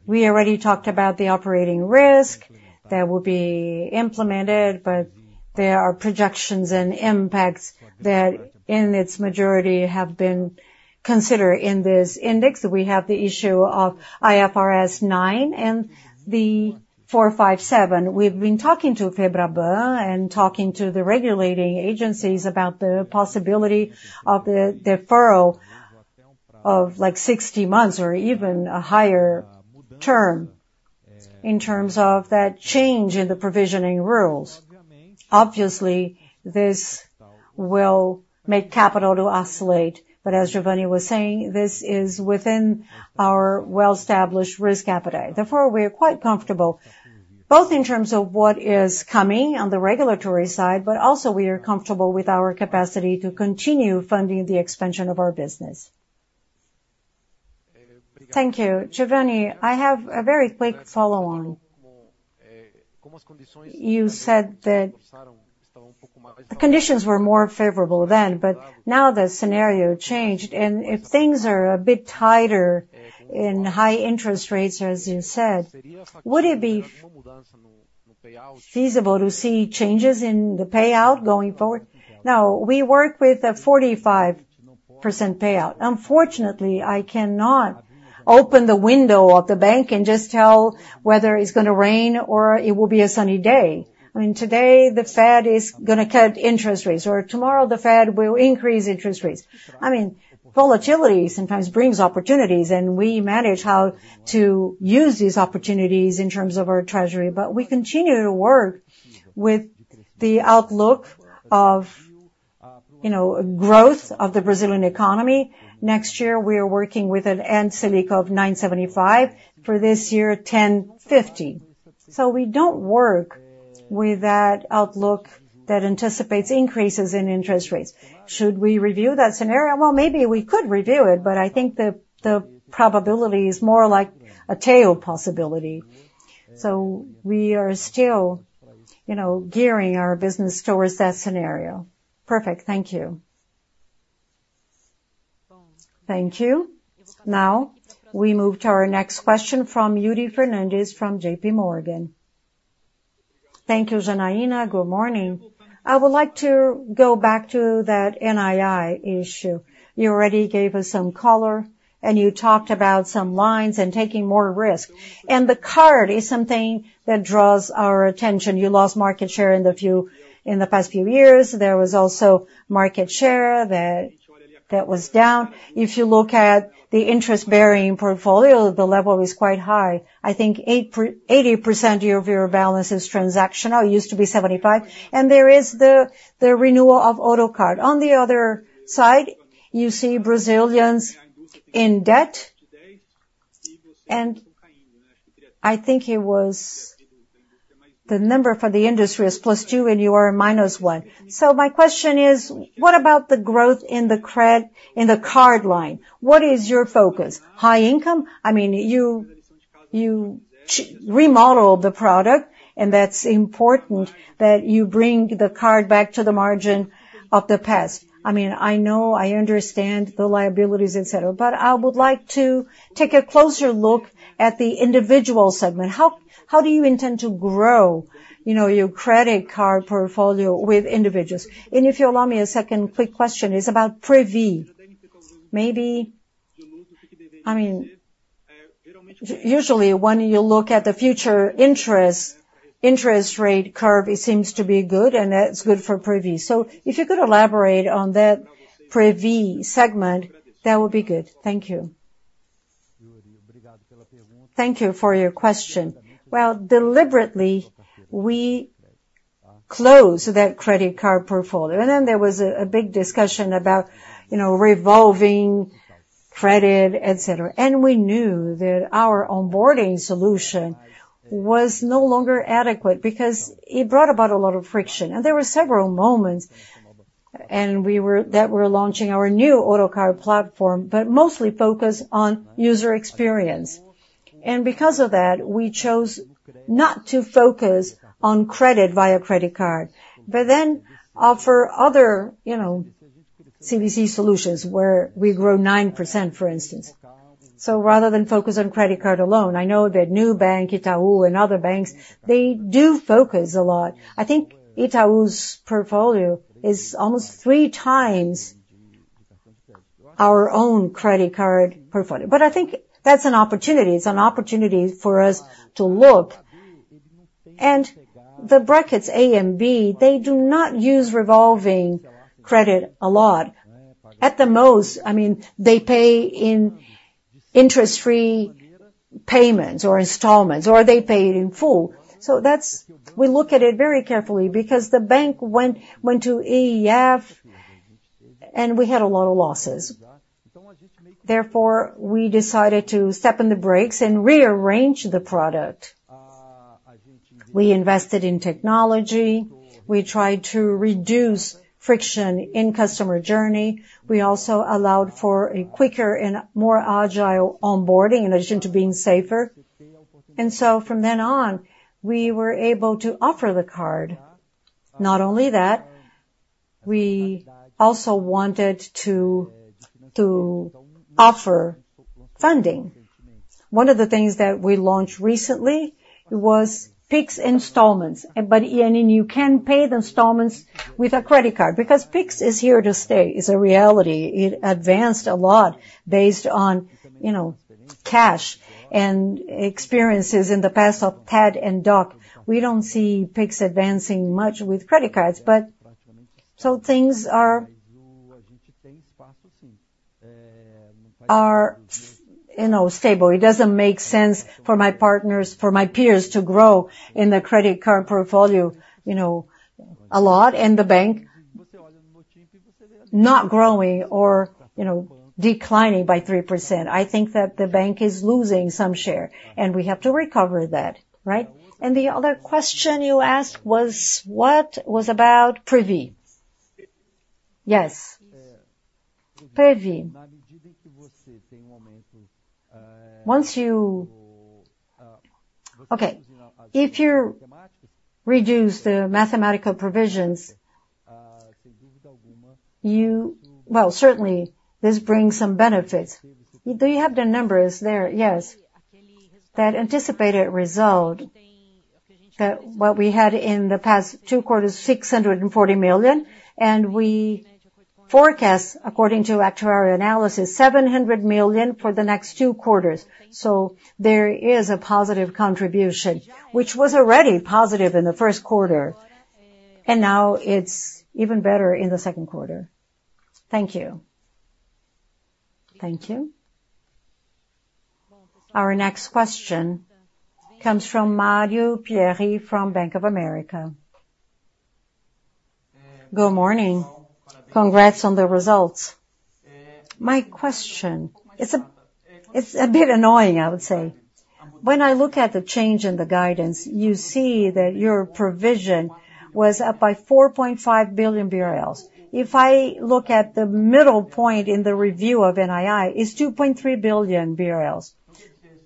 already talked about the operating risk that will be implemented, but there are projections and impacts that in its majority have been considered in this index. We have the issue of IFRS 9 and the 457. We've been talking to Febraban and talking to the regulatory agencies about the possibility of the deferral of like 60 months or even a higher term in terms of that change in the provisioning rules. Obviously, this will make capital to oscillate, but as Geovanne was saying, this is within our well-established risk appetite. Therefore, we are quite comfortable both in terms of what is coming on the regulatory side, but also we are comfortable with our capacity to continue funding the expansion of our business. Thank you. Geovanne, I have a very quick follow-on. You said that the conditions were more favorable then, but now the scenario changed. And if things are a bit tighter in high interest rates, as you said, would it be feasible to see changes in the payout going forward? Now, we work with a 45% payout. Unfortunately, I cannot open the window of the bank and just tell whether it's going to rain or it will be a sunny day. I mean, today the Fed is going to cut interest rates or tomorrow the Fed will increase interest rates. I mean, volatility sometimes brings opportunities, and we manage how to use these opportunities in terms of our treasury, but we continue to work with the outlook of, you know, growth of the Brazilian economy. Next year, we are working with an end Selic of 9.75% for this year, 10.50%. So we don't work with that outlook that anticipates increases in interest rates. Should we review that scenario? Well, maybe we could review it, but I think the probability is more like a tail possibility. So we are still, you know, gearing our business towards that scenario. Perfect. Thank you. Thank you. Now we move to our next question from Yuri Fernandes from JPMorgan. Thank you, Janaína. Good morning. I would like to go back to that NII issue. You already gave us some color and you talked about some lines and taking more risk. And the card is something that draws our attention. You lost market share in the past few years. There was also market share that was down. If you look at the interest-bearing portfolio, the level is quite high. I think 80% of your balance is transactional. It used to be 75%. And there is the renewal of Ourocard. On the other side, you see Brazilians in debt. And I think it was the number for the industry is +2% and you are -1%. So my question is, what about the growth in the credit in the card line? What is your focus? High income? I mean, you remodeled the product and that's important that you bring the card back to the margin of the past. I mean, I know, I understand the liabilities, et cetera, but I would like to take a closer look at the individual segment. How do you intend to grow, you know, your credit card portfolio with individuals? And if you allow me a second quick question, it's about Previ. Maybe, I mean, usually when you look at the future interest rate curve, it seems to be good and that's good for Previ. So if you could elaborate on that Previ segment, that would be good. Thank you. Thank you for your question. Well, deliberately, we closed that credit card portfolio. And then there was a big discussion about, you know, revolving credit, et cetera. We knew that our onboarding solution was no longer adequate because it brought about a lot of friction. There were several moments and we were launching our new Ourocard platform, but mostly focused on user experience. And because of that, we chose not to focus on credit via credit card, but then offer other, you know, CDC solutions where we grow 9%, for instance. So rather than focus on credit card alone, I know that Nubank, Itaú, and other banks, they do focus a lot. I think Itaú's portfolio is almost three times our own credit card portfolio. But I think that's an opportunity. It's an opportunity for us to look. And the brackets A and B, they do not use revolving credit a lot. At the most, I mean, they pay in interest-free payments or installments, or they pay it in full. So that's why we look at it very carefully because the bank went to EEF and we had a lot of losses. Therefore, we decided to step on the brakes and rearrange the product. We invested in technology. We tried to reduce friction in customer journey. We also allowed for a quicker and more agile onboarding in addition to being safer. And so from then on, we were able to offer the card. Not only that, we also wanted to offer funding. One of the things that we launched recently was Pix installments. But I mean, you can pay the installments with a credit card because Pix is here to stay. It's a reality. It advanced a lot based on, you know, cash and experiences in the past of TED and DOC. We don't see Pix advancing much with credit cards, but so things are stable. It doesn't make sense for my partners, for my peers to grow in the credit card portfolio, you know, a lot and the bank not growing or, you know, declining by 3%. I think that the bank is losing some share and we have to recover that, right? And the other question you asked was what was about Previ? Yes. Previ. Once you reduce the mathematical provisions, you well, certainly this brings some benefits. Do you have the numbers there? Yes. That anticipated result that what we had in the past two quarters, 640 million, and we forecast according to actuarial analysis, 700 million for the next two quarters. So there is a positive contribution, which was already positive in the first quarter. And now it's even better in the second quarter. Thank you. Thank you. Our next question comes from Mario Pierry from Bank of America. Good morning. Congrats on the results. My question, it's a bit annoying, I would say. When I look at the change in the guidance, you see that your provision was up by 4.5 billion BRL. If I look at the middle point in the review of NII, it's 2.3 billion BRL.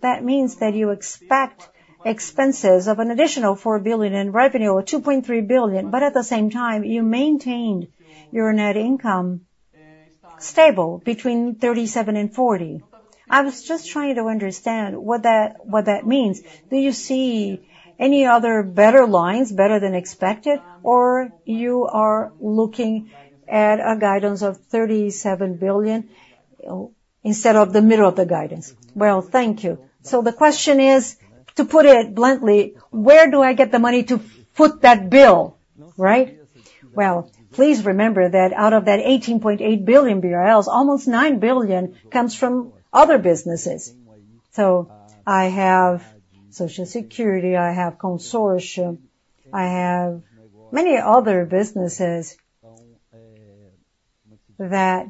That means that you expect expenses of an additional 4 billion in revenue or 2.3 billion, but at the same time, you maintained your net income stable between 37 billion and 40 billion. I was just trying to understand what that means. Do you see any other better lines, better than expected, or you are looking at a guidance of 37 billion instead of the middle of the guidance? Well, thank you. So the question is, to put it bluntly, where do I get the money to put that bill, right? Well, please remember that out of that 18.8 billion BRL, almost 9 billion comes from other businesses. So I have Social Security, I have Consortium, I have many other businesses that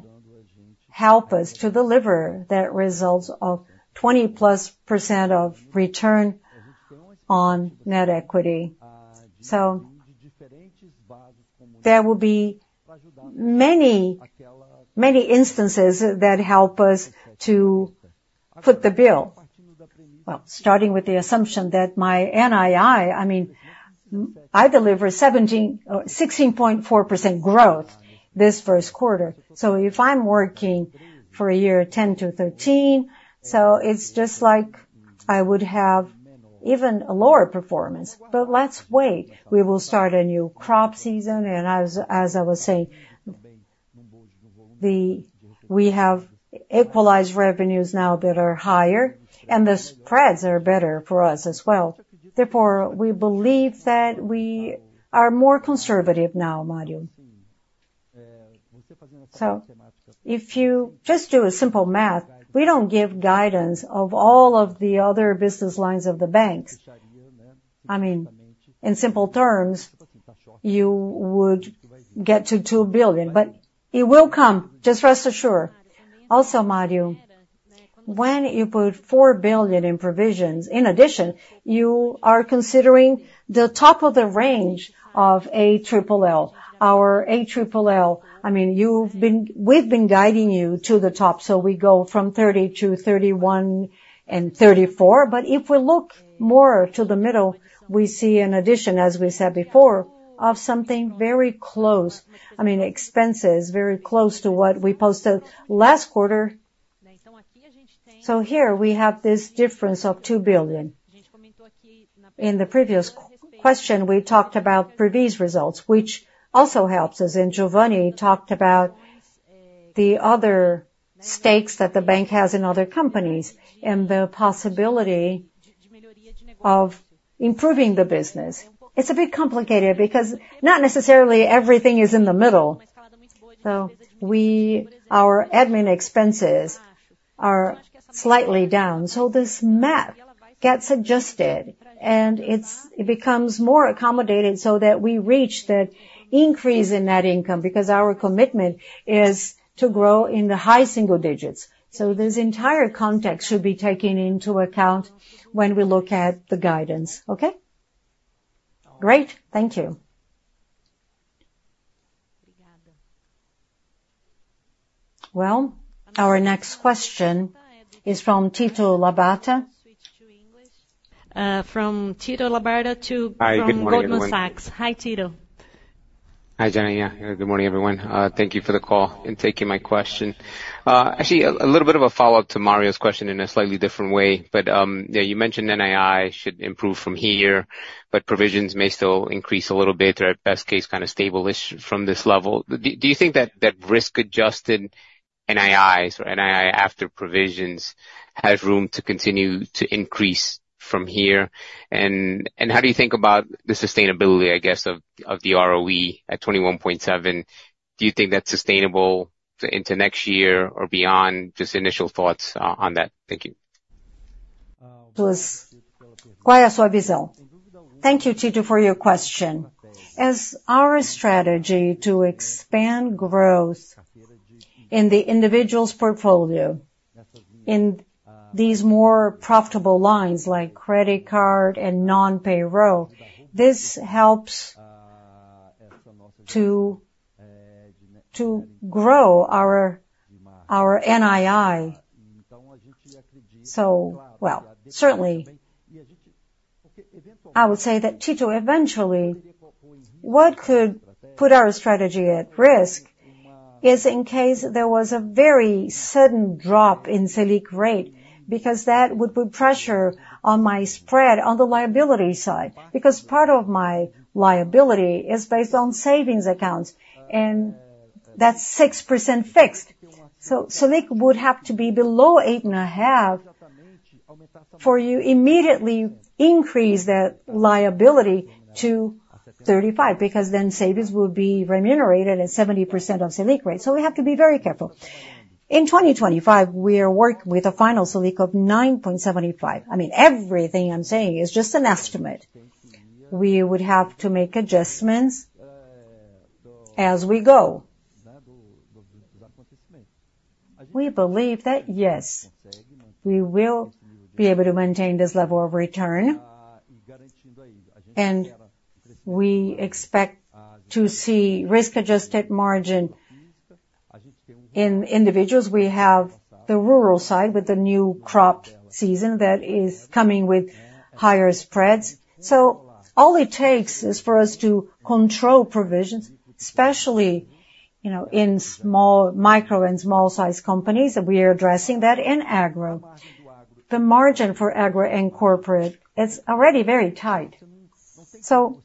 help us to deliver that result of 20+% of return on net equity. So there will be many, many instances that help us to put the bill. Well, starting with the assumption that my NII, I mean, I deliver 16.4% growth this first quarter. So if I'm working for a year 10%-13%, so it's just like I would have even a lower performance. But let's wait. We will start a new crop season. And as I was saying, we have equalized revenues now that are higher, and the spreads are better for us as well. Therefore, we believe that we are more conservative now, Mario. So if you just do a simple math, we don't give guidance of all of the other business lines of the banks. I mean, in simple terms, you would get to 2 billion, but it will come, just rest assured. Also, Mario, when you put 4 billion in provisions, in addition, you are considering the top of the range of ALLL. Our ALLL, I mean, you've been, we've been guiding you to the top. So we go from 30 to 31 and 34. But if we look more to the middle, we see an addition, as we said before, of something very close. I mean, expenses very close to what we posted last quarter. So here we have this difference of 2 billion. In the previous question, we talked about Previ's results, which also helps us. Geovanne talked about the other stakes that the bank has in other companies and the possibility of improving the business. It's a bit complicated because not necessarily everything is in the middle. Our admin expenses are slightly down. This map gets adjusted and it becomes more accommodated so that we reach that increase in net income because our commitment is to grow in the high single digits. This entire context should be taken into account when we look at the guidance. Okay. Great. Thank you. Well, our next question is from Tito Labarta. From Tito Labarta from Goldman Sachs. Hi, Tito. Hi, Janaína. Good morning, everyone. Thank you for the call and taking my question. Actually, a little bit of a follow-up to Mario's question in a slightly different way, but you mentioned NII should improve from here, but provisions may still increase a little bit or, at best case, kind of stabilize from this level. Do you think that risk-adjusted NIIs or NII after provisions has room to continue to increase from here? And how do you think about the sustainability, I guess, of the ROE at 21.7%? Do you think that's sustainable into next year or beyond? Just initial thoughts on that. Thank you. What is your vision? Thank you, Tito, for your question. As our strategy to expand growth in the individual's portfolio in these more profitable lines like credit card and non-payroll, this helps to grow our NII. Well, certainly. I would say that, Tito, eventually, what could put our strategy at risk is in case there was a very sudden drop in Selic rate because that would put pressure on my spread on the liability side because part of my liability is based on savings accounts and that's 6% fixed. So Selic would have to be below 8.5 for you to immediately increase that liability to 35 because then savings would be remunerated at 70% of Selic rate. So we have to be very careful. In 2025, we are working with a final Selic of 9.75. I mean, everything I'm saying is just an estimate. We would have to make adjustments as we go. We believe that, yes, we will be able to maintain this level of return. And we expect to see risk-adjusted margin in individuals. We have the rural side with the new crop season that is coming with higher spreads. So all it takes is for us to control provisions, especially, you know, in small micro and small-sized companies that we are addressing that in agro. The margin for agro and corporate is already very tight. So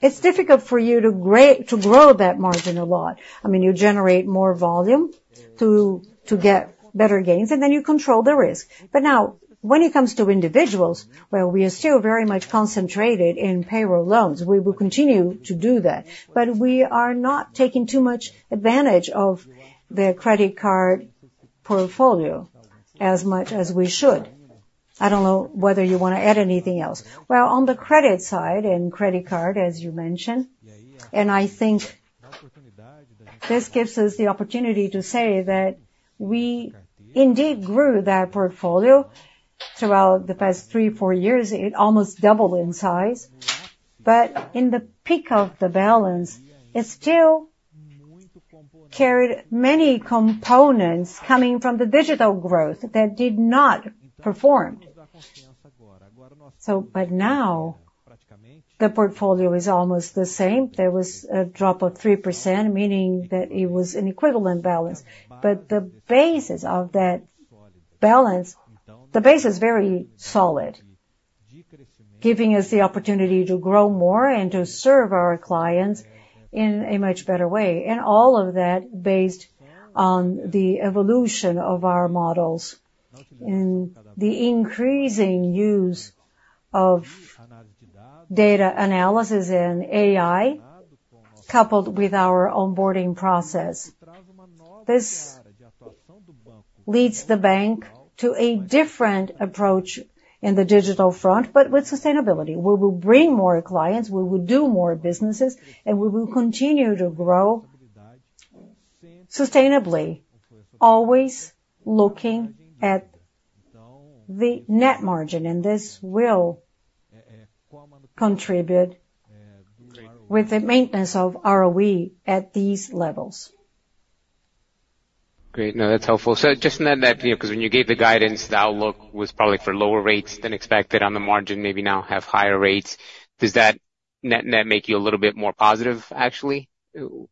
it's difficult for you to grow that margin a lot. I mean, you generate more volume to get better gains, and then you control the risk. But now, when it comes to individuals, well, we are still very much concentrated in payroll loans. We will continue to do that, but we are not taking too much advantage of the credit card portfolio as much as we should. I don't know whether you want to add anything else. Well, on the credit side and credit card, as you mentioned, and I think this gives us the opportunity to say that we indeed grew that portfolio throughout the past 3, 4 years. It almost doubled in size, but in the peak of the balance, it still carried many components coming from the digital growth that did not perform. So but now the portfolio is almost the same. There was a drop of 3%, meaning that it was an equivalent balance. But the basis of that balance, the base is very solid, giving us the opportunity to grow more and to serve our clients in a much better way. And all of that based on the evolution of our models and the increasing use of data analysis and AI coupled with our onboarding process. This leads the bank to a different approach in the digital front, but with sustainability. We will bring more clients, we will do more businesses, and we will continue to grow sustainably, always looking at the net margin. This will contribute with the maintenance of ROE at these levels. Great. No, that's helpful. So just to note that, you know, because when you gave the guidance, the outlook was probably for lower rates than expected on the margin, maybe now have higher rates. Does that net make you a little bit more positive, actually,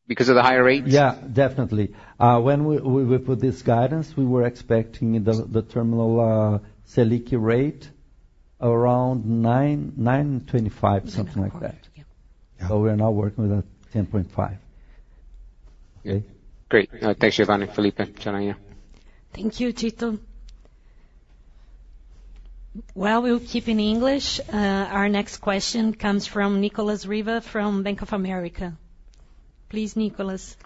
because of the higher rates? Yeah, definitely. When we put this guidance, we were expecting the terminal Selic rate around 9.25%, something like that. But we're now working with a 10.5%. Great. Thanks, Geovanne and Felipe, Janaína. Thank you, Tito. Well, we'll keep in English. Our next question comes from Nicolas Riva from Bank of America. Please, Nicolas.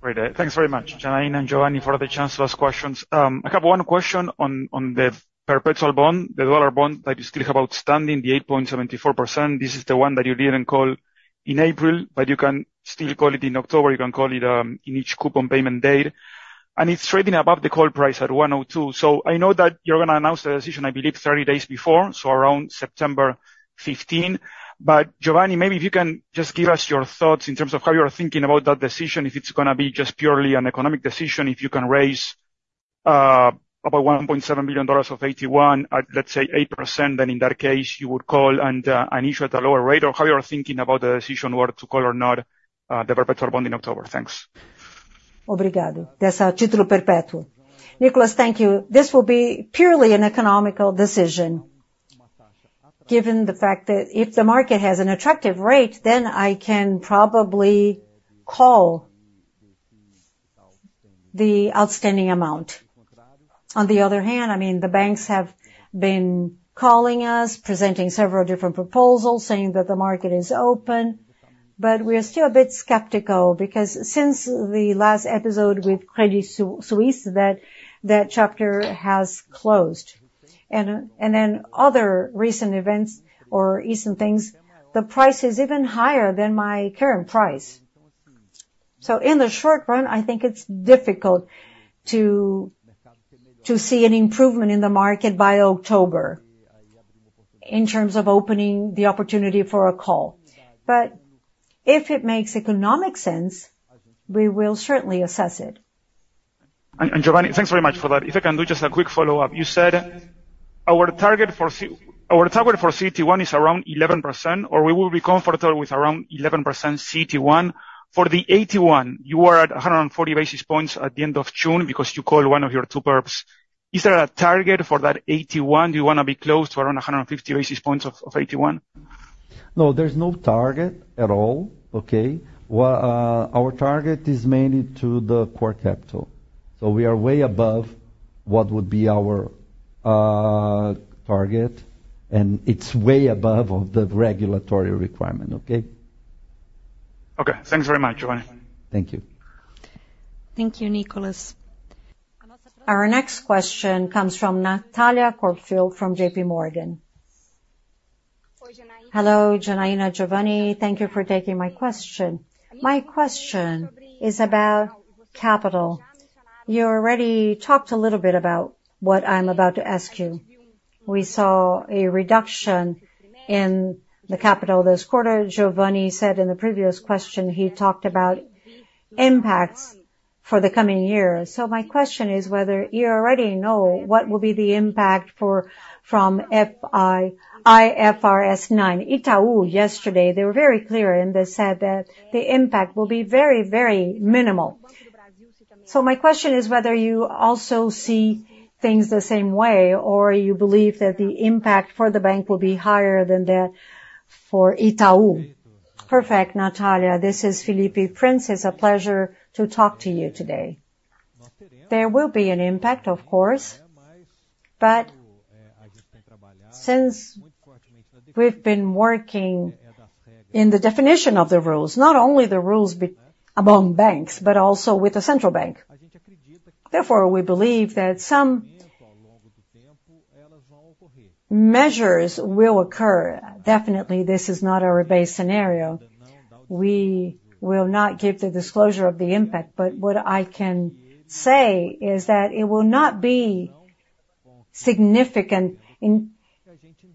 Great. Thanks very much, Janaína and Geovanne, for the chance to ask questions. I have one question on the perpetual bond, the dollar bond that you still have outstanding, the 8.74%. This is the one that you didn't call in April, but you can still call it in October. You can call it in each coupon payment date. And it's trading above the call price at 102. So I know that you're going to announce the decision, I believe, 30 days before, so around September 15. But Geovanne, maybe if you can just give us your thoughts in terms of how you're thinking about that decision, if it's going to be just purely an economic decision, if you can raise about $1.7 billion of AT1 at, let's say, 8%, then in that case, you would call and issue at a lower rate, or how you're thinking about the decision whether to call or not the perpetual bond in October. Thanks. Nicolas, thank you. This will be purely an economic decision, given the fact that if the market has an attractive rate, then I can probably call the outstanding amount. On the other hand, I mean, the banks have been calling us, presenting several different proposals, saying that the market is open, but we are still a bit skeptical because since the last episode with Credit Suisse, that chapter has closed. Then other recent events or recent things, the price is even higher than my current price. So in the short run, I think it's difficult to see an improvement in the market by October in terms of opening the opportunity for a call. But if it makes economic sense, we will certainly assess it. And Geovanne, thanks very much for that. If I can do just a quick follow-up, you said our target for CET1 is around 11%, or we will be comfortable with around 11% CET1. For the 81 billion, you are at 140 basis points at the end of June because you called one of your two perps. Is there a target for that 81 billion? Do you want to be close to around 150 basis points of 81 billion? No, there's no target at all. Okay. Our target is mainly to the core capital. So we are way above what would be our target, and it's way above the regulatory requirement. Okay. Okay. Thanks very much, Geovanne. Thank you. Thank you, Nicolas. Our next question comes from Natalia Corfield from JPMorgan. Hello, Janaína, Geovanne. Thank you for taking my question. My question is about capital. You already talked a little bit about what I'm about to ask you. We saw a reduction in the capital this quarter. Geovanne said in the previous question he talked about impacts for the coming year. So my question is whether you already know what will be the impact from IFRS 9. Itaú, yesterday, they were very clear and they said that the impact will be very, very minimal. So my question is whether you also see things the same way or you believe that the impact for the bank will be higher than that for Itaú. Perfect, Natalia. This is Felipe Prince. It's a pleasure to talk to you today. There will be an impact, of course, but since we've been working in the definition of the rules, not only the rules among banks, but also with the central bank. Therefore, we believe that some measures will occur. Definitely, this is not our base scenario. We will not give the disclosure of the impact, but what I can say is that it will not be significant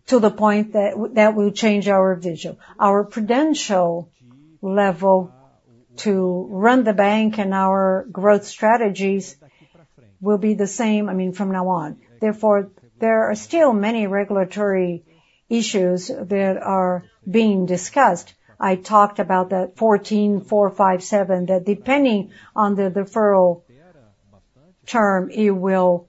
to the point that we'll change our vision. Our credential level to run the bank and our growth strategies will be the same, I mean, from now on. Therefore, there are still many regulatory issues that are being discussed. I talked about that 14 457, that depending on the deferral term, it will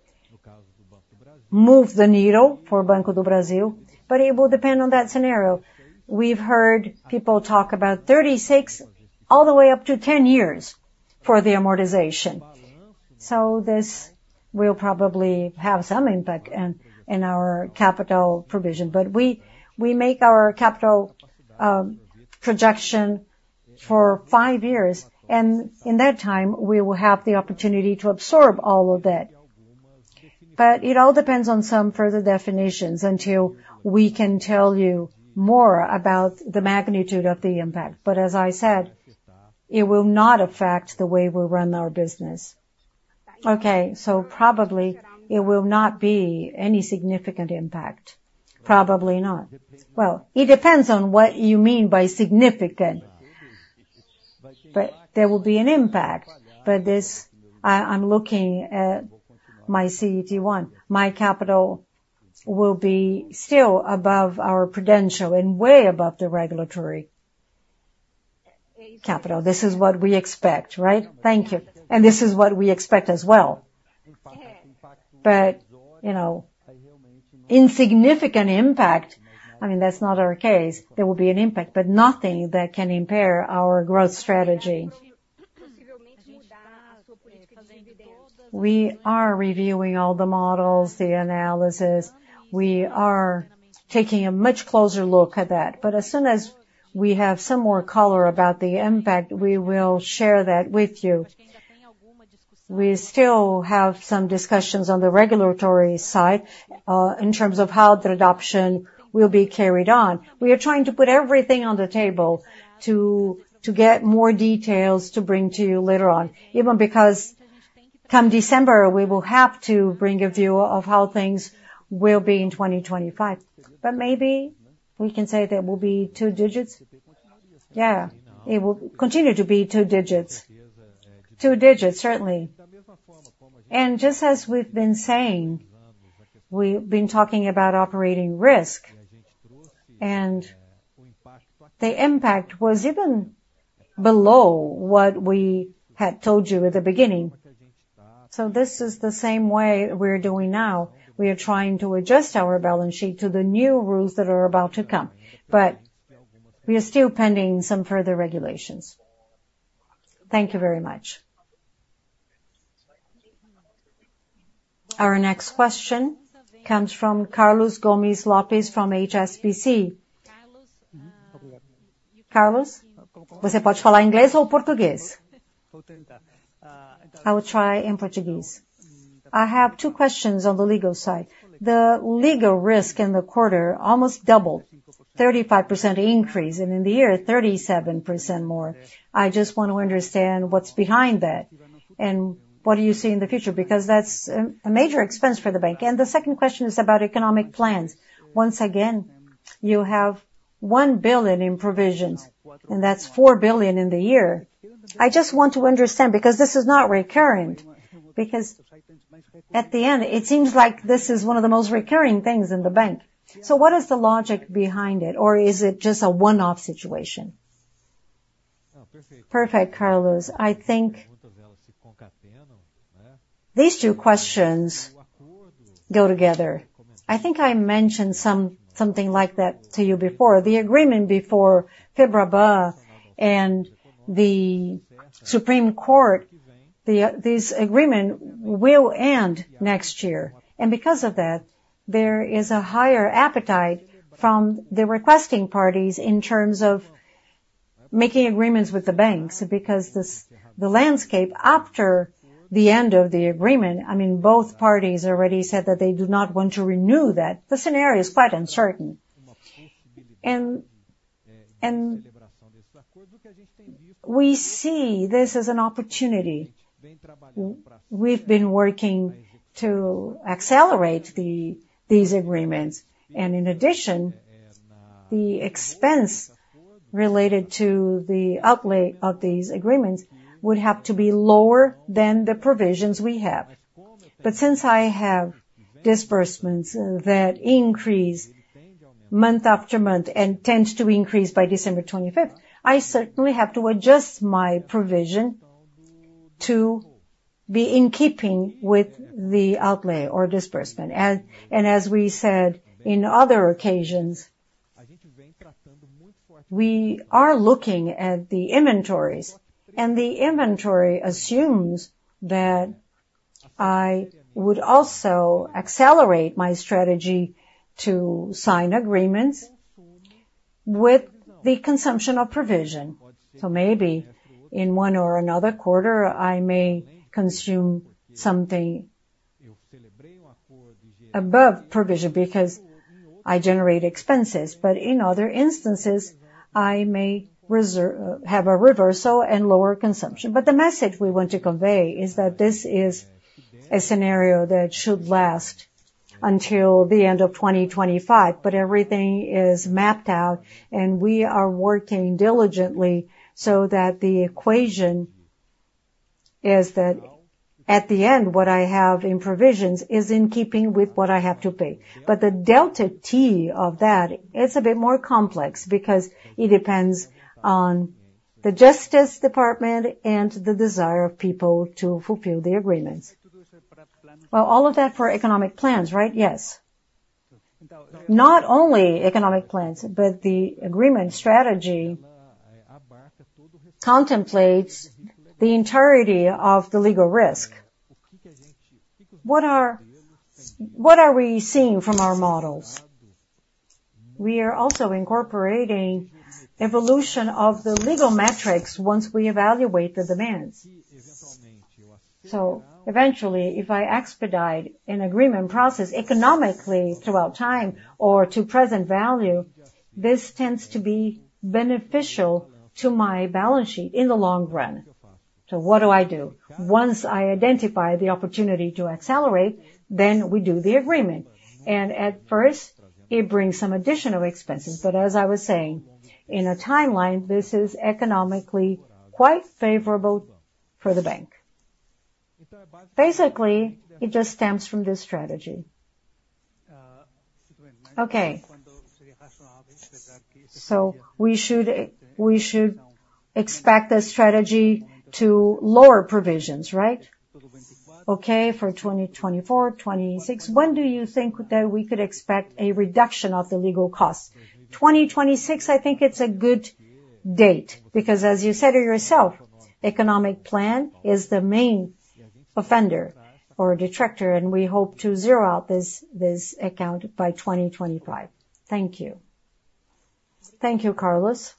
move the needle for Banco do Brasil, but it will depend on that scenario. We've heard people talk about 36, all the way up to 10 years for the amortization. So this will probably have some impact in our capital provision. But we make our capital projection for 5 years, and in that time, we will have the opportunity to absorb all of that. But it all depends on some further definitions until we can tell you more about the magnitude of the impact. But as I said, it will not affect the way we run our business. Okay, so probably it will not be any significant impact. Probably not. Well, it depends on what you mean by significant. But there will be an impact. But this, I'm looking at my CET1. My capital will be still above our internal and way above the regulatory capital. This is what we expect, right? Thank you. And this is what we expect as well. But, you know, insignificant impact, I mean, that's not our case. There will be an impact, but nothing that can impair our growth strategy. We are reviewing all the models, the analysis. We are taking a much closer look at that. But as soon as we have some more color about the impact, we will share that with you. We still have some discussions on the regulatory side in terms of how the adoption will be carried on. We are trying to put everything on the table to get more details to bring to you later on, even because come December, we will have to bring a view of how things will be in 2025. But maybe we can say there will be two digits. Yeah, it will continue to be two digits. Two digits, certainly. Just as we've been saying, we've been talking about operating risk, and the impact was even below what we had told you at the beginning. This is the same way we're doing now. We are trying to adjust our balance sheet to the new rules that are about to come, but we are still pending some further regulations. Thank you very much. Our next question comes from Carlos Gomez-Lopez from HSBC. Carlos? I will try in Portuguese. I have two questions on the legal side. The legal risk in the quarter almost doubled, 35% increase, and in the year, 37% more. I just want to understand what's behind that and what do you see in the future because that's a major expense for the bank. The second question is about economic plans. Once again, you have $1 billion in provisions, and that's $4 billion in the year. I just want to understand because this is not recurrent, because at the end, it seems like this is one of the most recurring things in the bank. So what is the logic behind it, or is it just a one-off situation? Perfect, Carlos. I think these two questions go together. I think I mentioned something like that to you before. The agreement before Febraban and the Supreme Court, this agreement will end next year. And because of that, there is a higher appetite from the requesting parties in terms of making agreements with the banks because the landscape after the end of the agreement, I mean, both parties already said that they do not want to renew that. The scenario is quite uncertain. And we see this as an opportunity. We've been working to accelerate these agreements. In addition, the expense related to the outlay of these agreements would have to be lower than the provisions we have. But since I have disbursements that increase month after month and tend to increase by December 25th, I certainly have to adjust my provision to be in keeping with the outlay or disbursement. As we said in other occasions, we are looking at the inventories, and the inventory assumes that I would also accelerate my strategy to sign agreements with the consumption of provision. So maybe in one or another quarter, I may consume something above provision because I generate expenses. But in other instances, I may have a reversal and lower consumption. But the message we want to convey is that this is a scenario that should last until the end of 2025. But everything is mapped out, and we are working diligently so that the equation is that at the end, what I have in provisions is in keeping with what I have to pay. But the delta T of that, it's a bit more complex because it depends on the Justice Department and the desire of people to fulfill the agreements. Well, all of that for economic plans, right? Yes. Not only economic plans, but the agreement strategy contemplates the entirety of the legal risk. What are we seeing from our models? We are also incorporating the evolution of the legal metrics once we evaluate the demands. So eventually, if I expedite an agreement process economically throughout time or to present value, this tends to be beneficial to my balance sheet in the long run. So what do I do? Once I identify the opportunity to accelerate, then we do the agreement. At first, it brings some additional expenses. As I was saying, in a timeline, this is economically quite favorable for the bank. Basically, it just stems from this strategy. Okay. We should expect a strategy to lower provisions, right? Okay, for 2024, 2026, when do you think that we could expect a reduction of the legal costs? 2026, I think it's a good date because, as you said yourself, the economic plan is the main offender or detractor, and we hope to zero out this account by 2025. Thank you. Thank you, Carlos.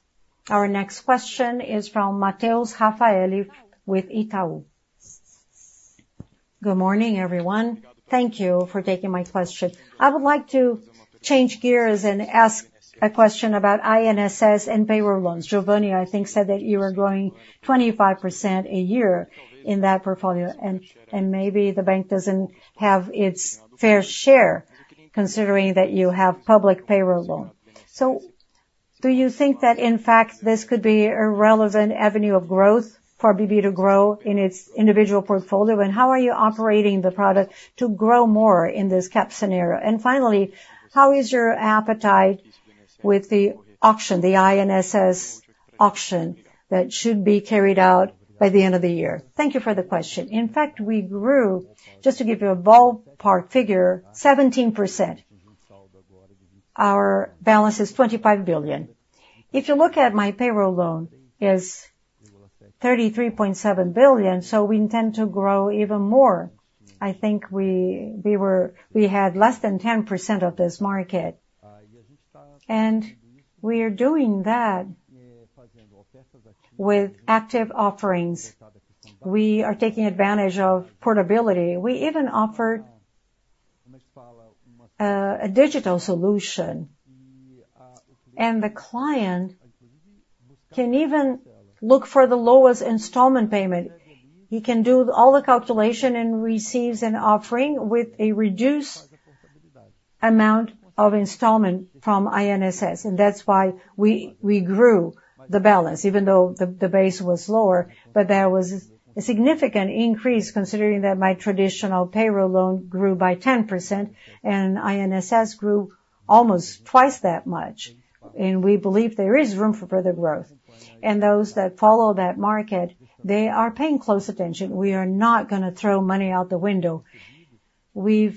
Our next question is from Mateus Raffaelli with Itaú. Good morning, everyone. Thank you for taking my question. I would like to change gears and ask a question about INSS and payroll loans. Geovanne, I think, said that you were going 25% a year in that portfolio, and maybe the bank doesn't have its fair share considering that you have public payroll loans. So do you think that, in fact, this could be a relevant avenue of growth for BB to grow in its individual portfolio? And how are you operating the product to grow more in this cap scenario? And finally, how is your appetite with the auction, the INSS auction that should be carried out by the end of the year? Thank you for the question. In fact, we grew, just to give you a ballpark figure, 17%. Our balance is $25 billion. If you look at my payroll loan, it is $33.7 billion, so we intend to grow even more. I think we had less than 10% of this market. And we are doing that with active offerings. We are taking advantage of portability. We even offered a digital solution, and the client can even look for the lowest installment payment. He can do all the calculation and receives an offering with a reduced amount of installment from INSS. That's why we grew the balance, even though the base was lower. There was a significant increase considering that my traditional payroll loan grew by 10%, and INSS grew almost twice that much. We believe there is room for further growth. Those that follow that market, they are paying close attention. We are not going to throw money out the window. We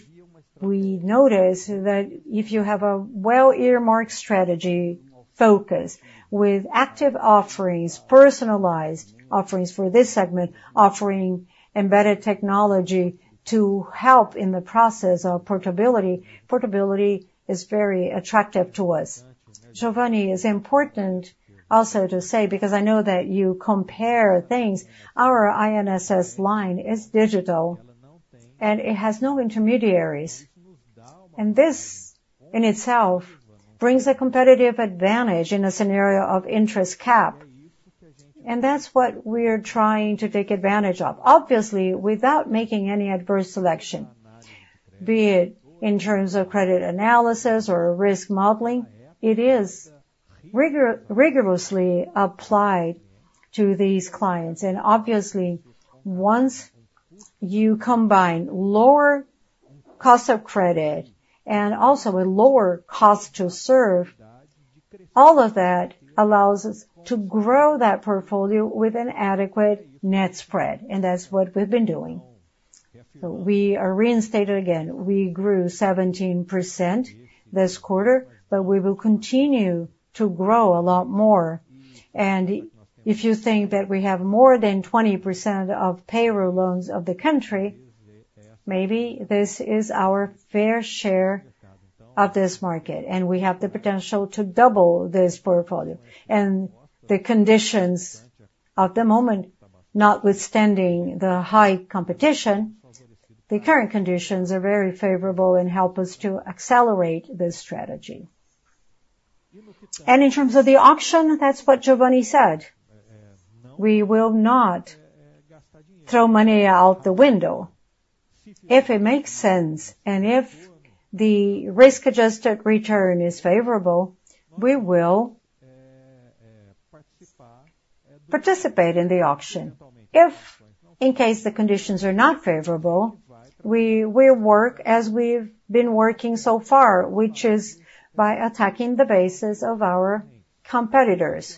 notice that if you have a well-earmarked strategy focus with active offerings, personalized offerings for this segment, offering embedded technology to help in the process of portability, portability is very attractive to us. Geovanne, it's important also to say, because I know that you compare things, our INSS line is digital, and it has no intermediaries. This in itself brings a competitive advantage in a scenario of interest cap. That's what we are trying to take advantage of, obviously, without making any adverse selection, be it in terms of credit analysis or risk modeling. It is rigorously applied to these clients. Obviously, once you combine lower cost of credit and also a lower cost to serve, all of that allows us to grow that portfolio with an adequate net spread. That's what we've been doing. We are reinstated again. We grew 17% this quarter, but we will continue to grow a lot more. If you think that we have more than 20% of payroll loans of the country, maybe this is our fair share of this market, and we have the potential to double this portfolio. The conditions at the moment, notwithstanding the high competition, the current conditions are very favorable and help us to accelerate this strategy. In terms of the auction, that's what Geovanne said. We will not throw money out the window. If it makes sense and if the risk-adjusted return is favorable, we will participate in the auction. If, in case the conditions are not favorable, we will work as we've been working so far, which is by attacking the bases of our competitors.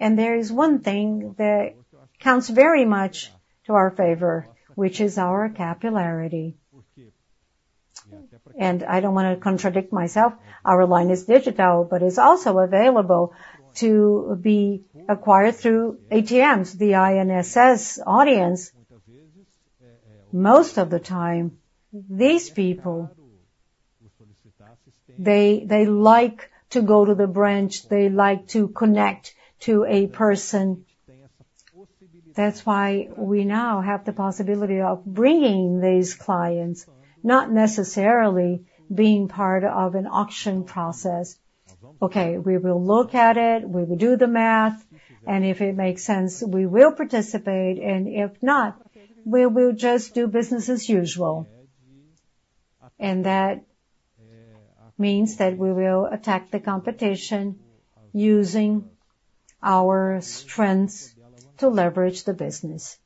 There is one thing that counts very much to our favor, which is our capillarity. I don't want to contradict myself. Our line is digital, but it's also available to be acquired through ATMs, the INSS audience. Most of the time, these people, they like to go to the branch. They like to connect to a person. That's why we now have the possibility of bringing these clients, not necessarily being part of an auction process. Okay, we will look at it. We will do the math. And if it makes sense, we will participate. And if not, we will just do business as usual. And that means that we will attack the competition using our strengths to leverage the business.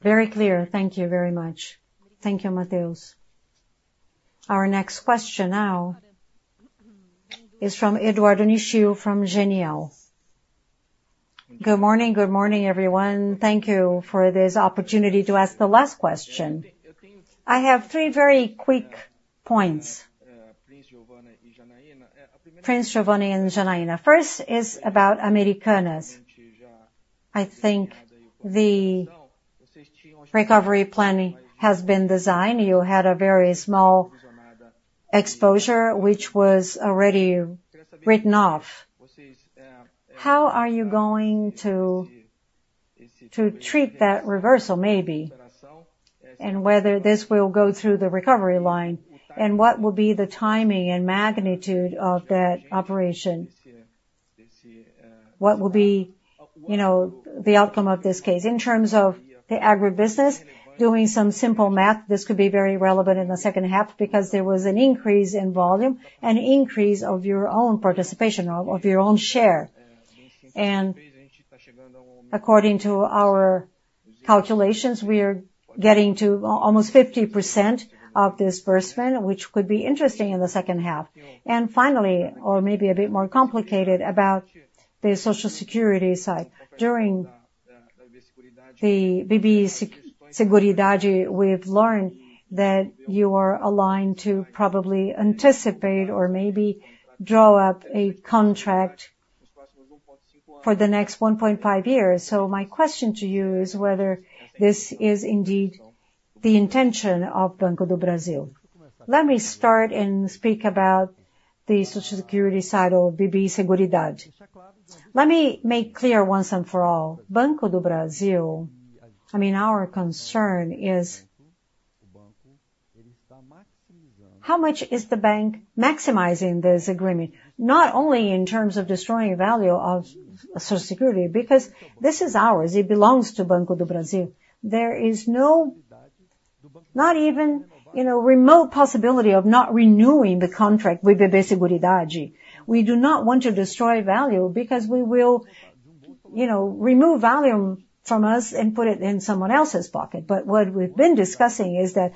Very clear. Thank you very much. Thank you, Mateus. Our next question now is from Eduardo Nishio from Genial. Good morning. Good morning, everyone. Thank you for this opportunity to ask the last question. I have three very quick points. Prince, Geovanne, and Janaína. First is about Americanas. I think the recovery plan has been designed. You had a very small exposure, which was already written off. How are you going to treat that reversal, maybe, and whether this will go through the recovery line? And what will be the timing and magnitude of that operation? What will be the outcome of this case in terms of the agribusiness? Doing some simple math, this could be very relevant in the second half because there was an increase in volume and increase of your own participation, of your own share. And according to our calculations, we are getting to almost 50% of disbursement, which could be interesting in the second half. And finally, or maybe a bit more complicated about the Social Security side. During the BB Seguridade, we've learned that you are aligned to probably anticipate or maybe draw up a contract for the next 1.5 years. My question to you is whether this is indeed the intention of Banco do Brasil. Let me start and speak about the Social Security side of BB Seguridade. Let me make clear once and for all, Banco do Brasil, I mean, our concern is how much is the bank maximizing this agreement, not only in terms of destroying value of Social Security, because this is ours. It belongs to Banco do Brasil. There is not even a remote possibility of not renewing the contract with BB Seguridade. We do not want to destroy value because we will remove value from us and put it in someone else's pocket. But what we've been discussing is that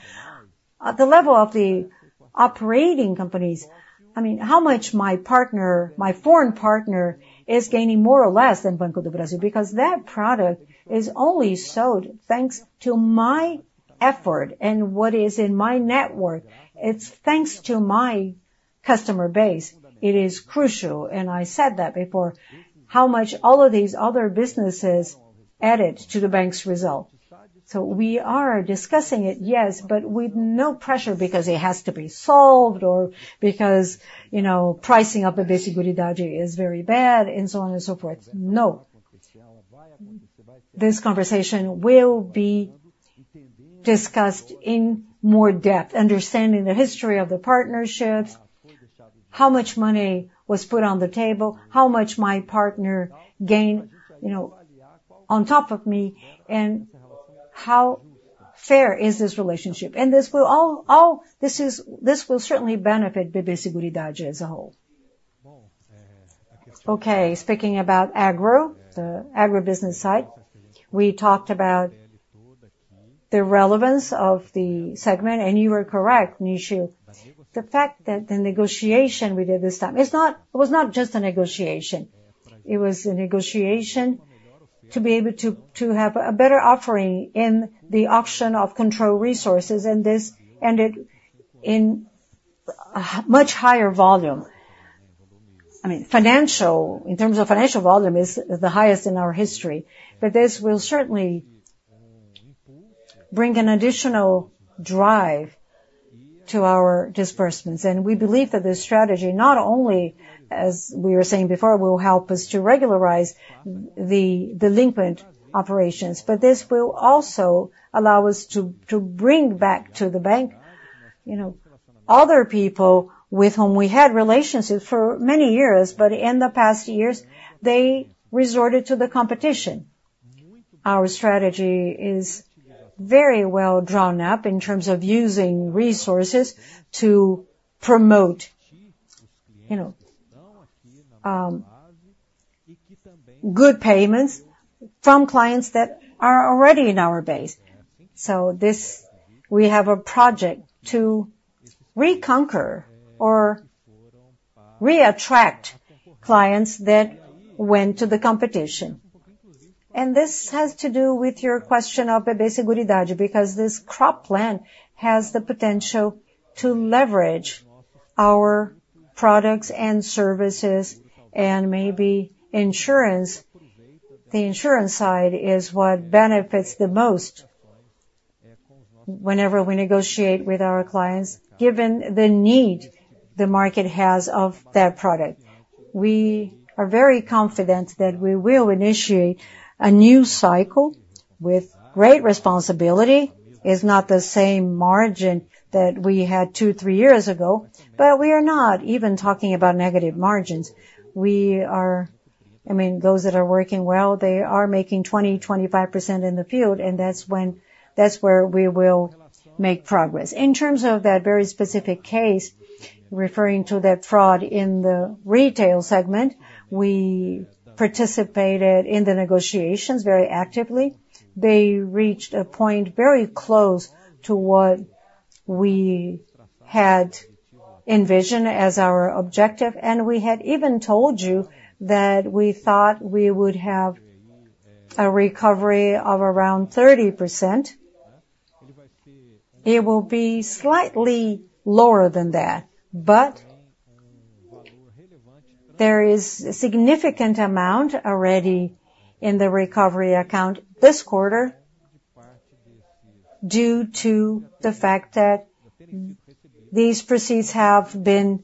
at the level of the operating companies, I mean, how much my partner, my foreign partner, is gaining more or less than Banco do Brasil? Because that product is only sold thanks to my effort and what is in my network. It's thanks to my customer base. It is crucial. And I said that before, how much all of these other businesses added to the bank's result. So we are discussing it, yes, but with no pressure because it has to be solved or because pricing up a BB Seguridade is very bad and so on and so forth. No. This conversation will be discussed in more depth, understanding the history of the partnerships, how much money was put on the table, how much my partner gained on top of me, and how fair is this relationship. And this will certainly benefit BB Seguridade as a whole. Okay. Speaking about agro, the agrobusiness side, we talked about the relevance of the segment, and you were correct, Nishio. The fact that the negotiation we did this time was not just a negotiation. It was a negotiation to be able to have a better offering in the option of control resources and this ended in much higher volume. I mean, financial, in terms of financial volume, is the highest in our history. But this will certainly bring an additional drive to our disbursements. And we believe that this strategy, not only, as we were saying before, will help us to regularize the delinquent operations, but this will also allow us to bring back to the bank other people with whom we had relationships for many years, but in the past years, they resorted to the competition. Our strategy is very well drawn up in terms of using resources to promote good payments from clients that are already in our base. So we have a project to reconquer or reattract clients that went to the competition. And this has to do with your question of BB Seguridade because this crop plan has the potential to leverage our products and services and maybe insurance. The insurance side is what benefits the most whenever we negotiate with our clients, given the need the market has of that product. We are very confident that we will initiate a new cycle with great responsibility. It's not the same margin that we had two, three years ago, but we are not even talking about negative margins. I mean, those that are working well, they are making 20%, 25% in the field, and that's where we will make progress. In terms of that very specific case, referring to that fraud in the retail segment, we participated in the negotiations very actively. They reached a point very close to what we had envisioned as our objective. And we had even told you that we thought we would have a recovery of around 30%. It will be slightly lower than that, but there is a significant amount already in the recovery account this quarter due to the fact that these proceeds have been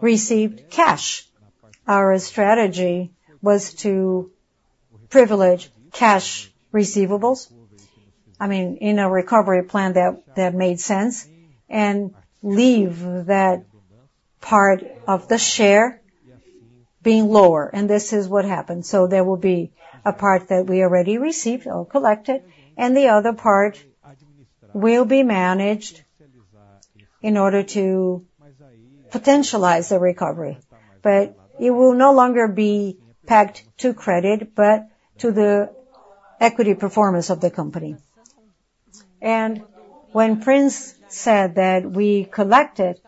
received cash. Our strategy was to privilege cash receivables, I mean, in a recovery plan that made sense, and leave that part of the share being lower. And this is what happened. So there will be a part that we already received or collected, and the other part will be managed in order to potentialize the recovery. But it will no longer be pegged to credit, but to the equity performance of the company. And when Prince said that we collected,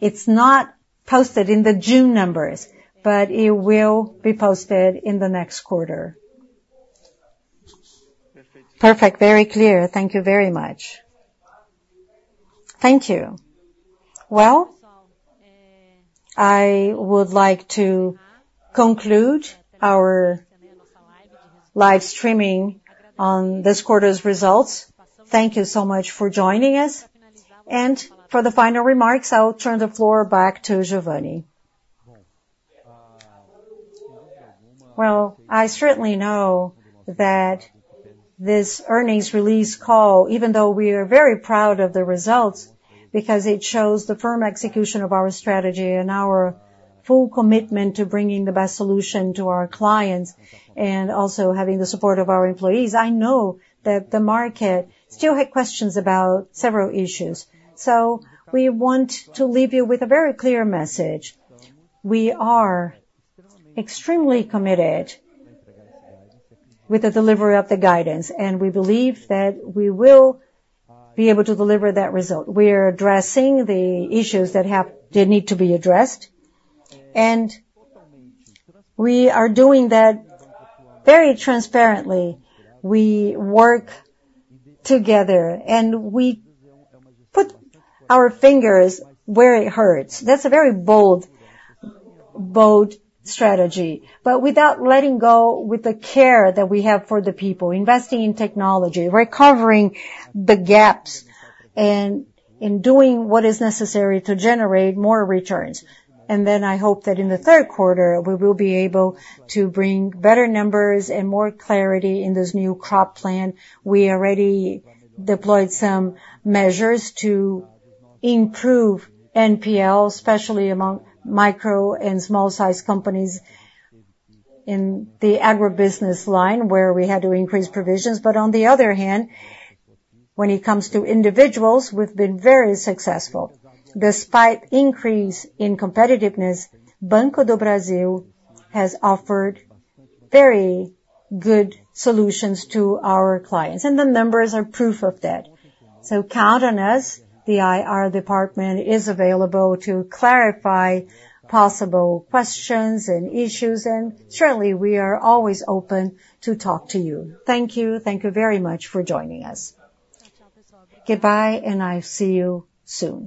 it's not posted in the June numbers, but it will be posted in the next quarter. Perfect. Very clear. Thank you very much. Thank you. Well, I would like to conclude our live streaming on this quarter's results. Thank you so much for joining us. And for the final remarks, I'll turn the floor back to Geovanne. Well, I certainly know that this earnings release call, even though we are very proud of the results, because it shows the firm execution of our strategy and our full commitment to bringing the best solution to our clients and also having the support of our employees, I know that the market still had questions about several issues. So we want to leave you with a very clear message. We are extremely committed with the delivery of the guidance, and we believe that we will be able to deliver that result. We are addressing the issues that need to be addressed, and we are doing that very transparently. We work together, and we put our fingers where it hurts. That's a very bold strategy, but without letting go with the care that we have for the people, investing in technology, recovering the gaps, and in doing what is necessary to generate more returns. Then I hope that in the third quarter, we will be able to bring better numbers and more clarity in this new crop plan. We already deployed some measures to improve NPL, especially among micro and small-sized companies in the agribusiness line where we had to increase provisions. On the other hand, when it comes to individuals, we've been very successful. Despite increase in competitiveness, Banco do Brasil has offered very good solutions to our clients, and the numbers are proof of that. So count on us. The IR department is available to clarify possible questions and issues, and certainly, we are always open to talk to you. Thank you. Thank you very much for joining us. Goodbye, and I'll see you soon.